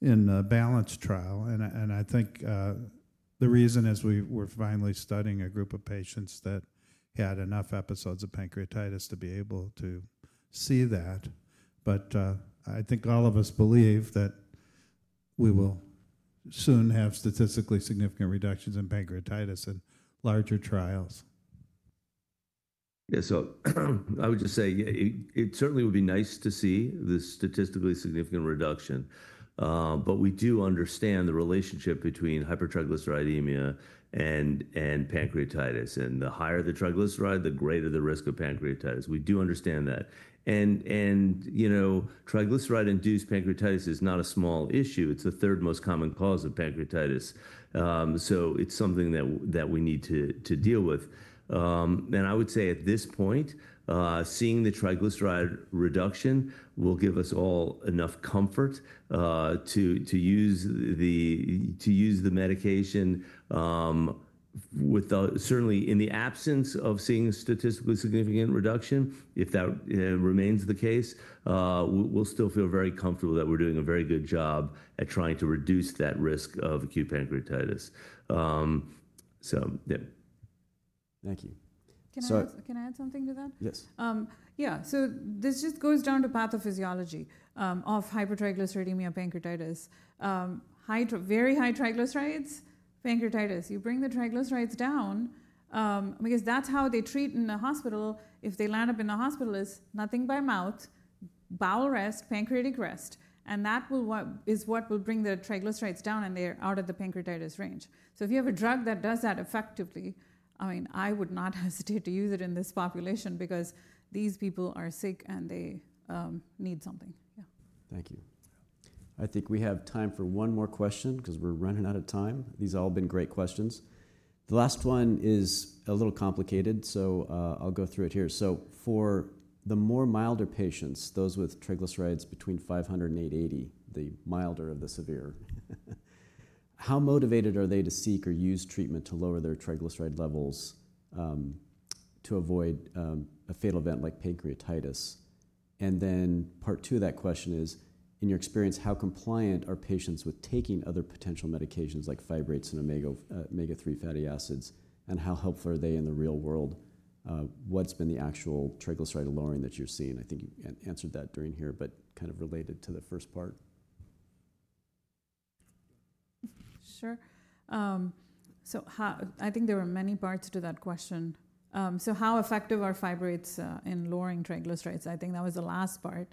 D: in the balance trial. I think the reason is we were finally studying a group of patients that had enough episodes of pancreatitis to be able to see that. I think all of us believe that we will soon have statistically significant reductions in pancreatitis in larger trials.
B: Yeah. I would just say it certainly would be nice to see the statistically significant reduction. We do understand the relationship between hypertriglyceridemia and pancreatitis. The higher the triglyceride, the greater the risk of pancreatitis. We do understand that. Triglyceride-induced pancreatitis is not a small issue. It is the third most common cause of pancreatitis. It is something that we need to deal with. I would say at this point, seeing the triglyceride reduction will give us all enough comfort to use the medication. Certainly, in the absence of seeing a statistically significant reduction, if that remains the case, we will still feel very comfortable that we are doing a very good job at trying to reduce that risk of acute pancreatitis. Yeah.
E: Thank you.
C: Can I add something to that?
E: Yes.
C: Yeah. This just goes down to pathophysiology of hypertriglyceridemia pancreatitis. Very high triglycerides, pancreatitis. You bring the triglycerides down because that's how they treat in the hospital. If they land up in the hospital, it's nothing by mouth, bowel rest, pancreatic rest. That is what will bring the triglycerides down. They're out of the pancreatitis range. If you have a drug that does that effectively, I mean, I would not hesitate to use it in this population because these people are sick and they need something. Yeah.
E: Thank you. I think we have time for one more question because we're running out of time. These have all been great questions. The last one is a little complicated. I'll go through it here. For the more milder patients, those with triglycerides between 500 and 880, the milder of the severe, how motivated are they to seek or use treatment to lower their triglyceride levels to avoid a fatal event like pancreatitis? Part two of that question is, in your experience, how compliant are patients with taking other potential medications like fibrates and omega-3 fatty acids? How helpful are they in the real world? What's been the actual triglyceride lowering that you're seeing? I think you answered that during here, but kind of related to the first part.
C: Sure. I think there were many parts to that question. How effective are fibrates in lowering triglycerides? I think that was the last part.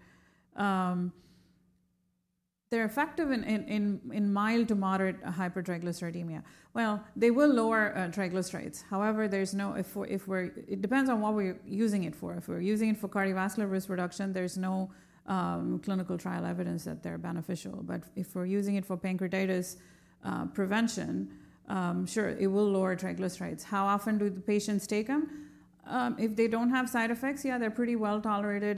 C: They're effective in mild to moderate hypertriglyceridemia. They will lower triglycerides. However, it depends on what we're using it for. If we're using it for cardiovascular risk reduction, there's no clinical trial evidence that they're beneficial. If we're using it for pancreatitis prevention, sure, it will lower triglycerides. How often do the patients take them? If they don't have side effects, yeah, they're pretty well tolerated.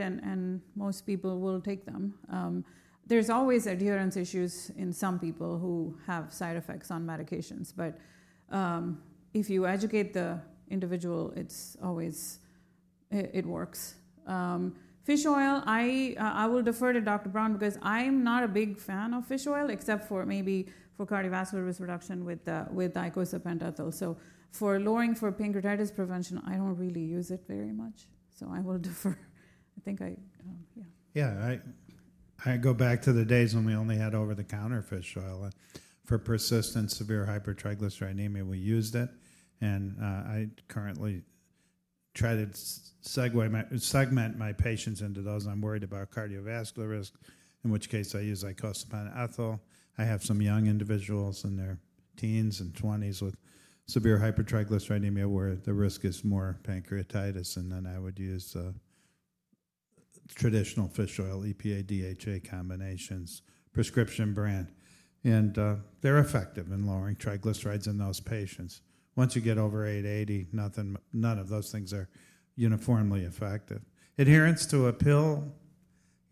C: Most people will take them. There's always adherence issues in some people who have side effects on medications. If you educate the individual, it works. Fish oil, I will defer to Dr. Brown because I'm not a big fan of fish oil, except for maybe for cardiovascular risk reduction with icosapent ethyl. For lowering pancreatitis prevention, I don't really use it very much. I will defer. I think, yeah.
D: Yeah. I go back to the days when we only had over-the-counter fish oil. For persistent severe hypertriglyceridemia, we used it. I currently try to segment my patients into those I'm worried about cardiovascular risk, in which case I use icosapent ethyl. I have some young individuals in their teens and 20s with severe hypertriglyceridemia where the risk is more pancreatitis. I would use traditional fish oil, EPA, DHA combinations, prescription brand. They're effective in lowering triglycerides in those patients. Once you get over 880, none of those things are uniformly effective. Adherence to a pill,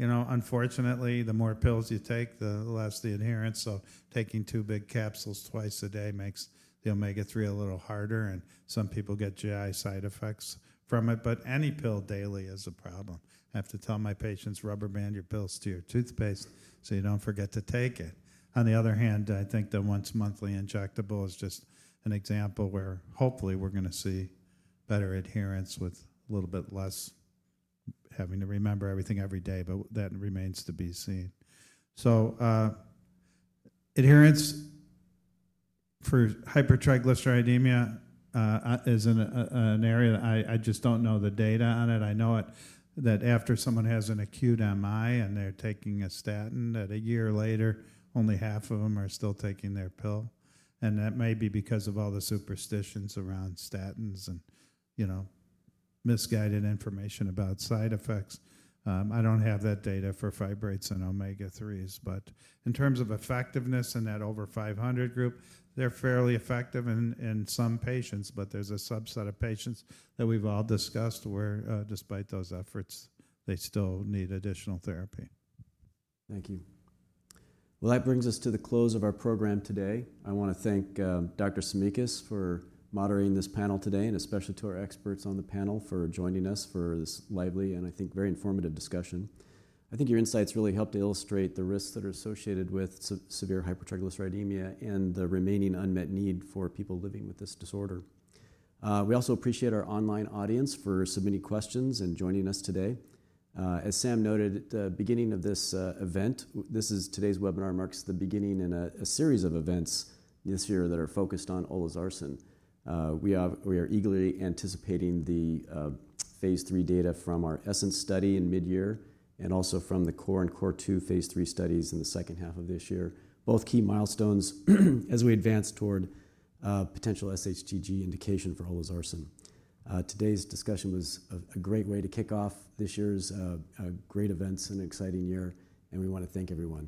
D: unfortunately, the more pills you take, the less the adherence. Taking two big capsules twice a day makes the omega-3 a little harder. Some people get GI side effects from it. Any pill daily is a problem. I have to tell my patients, "Rubber band your pills to your toothpaste so you don't forget to take it." On the other hand, I think the once-monthly injectable is just an example where hopefully we're going to see better adherence with a little bit less having to remember everything every day. That remains to be seen. Adherence for hypertriglyceridemia is an area that I just don't know the data on it. I know that after someone has an acute MI and they're taking a statin, that a year later, only half of them are still taking their pill. That may be because of all the superstitions around statins and misguided information about side effects. I don't have that data for fibrates and omega-3s. In terms of effectiveness in that over 500 group, they're fairly effective in some patients. There is a subset of patients that we've all discussed where, despite those efforts, they still need additional therapy.
E: Thank you. That brings us to the close of our program today. I want to thank Dr. Tsimikas for moderating this panel today and especially to our experts on the panel for joining us for this lively and, I think, very informative discussion. I think your insights really helped to illustrate the risks that are associated with severe hypertriglyceridemia and the remaining unmet need for people living with this disorder. We also appreciate our online audience for submitting questions and joining us today. As Sam noted at the beginning of this event, today's webinar marks the beginning in a series of events this year that are focused on olezarsen. We are eagerly anticipating the phase III data from our Essence study in mid-year and also from the CORE and CORE2 phase III studies in the second half of this year, both key milestones as we advance toward potential SHTG indication for olezarsen. Today's discussion was a great way to kick off this year's great events and exciting year. We want to thank everyone.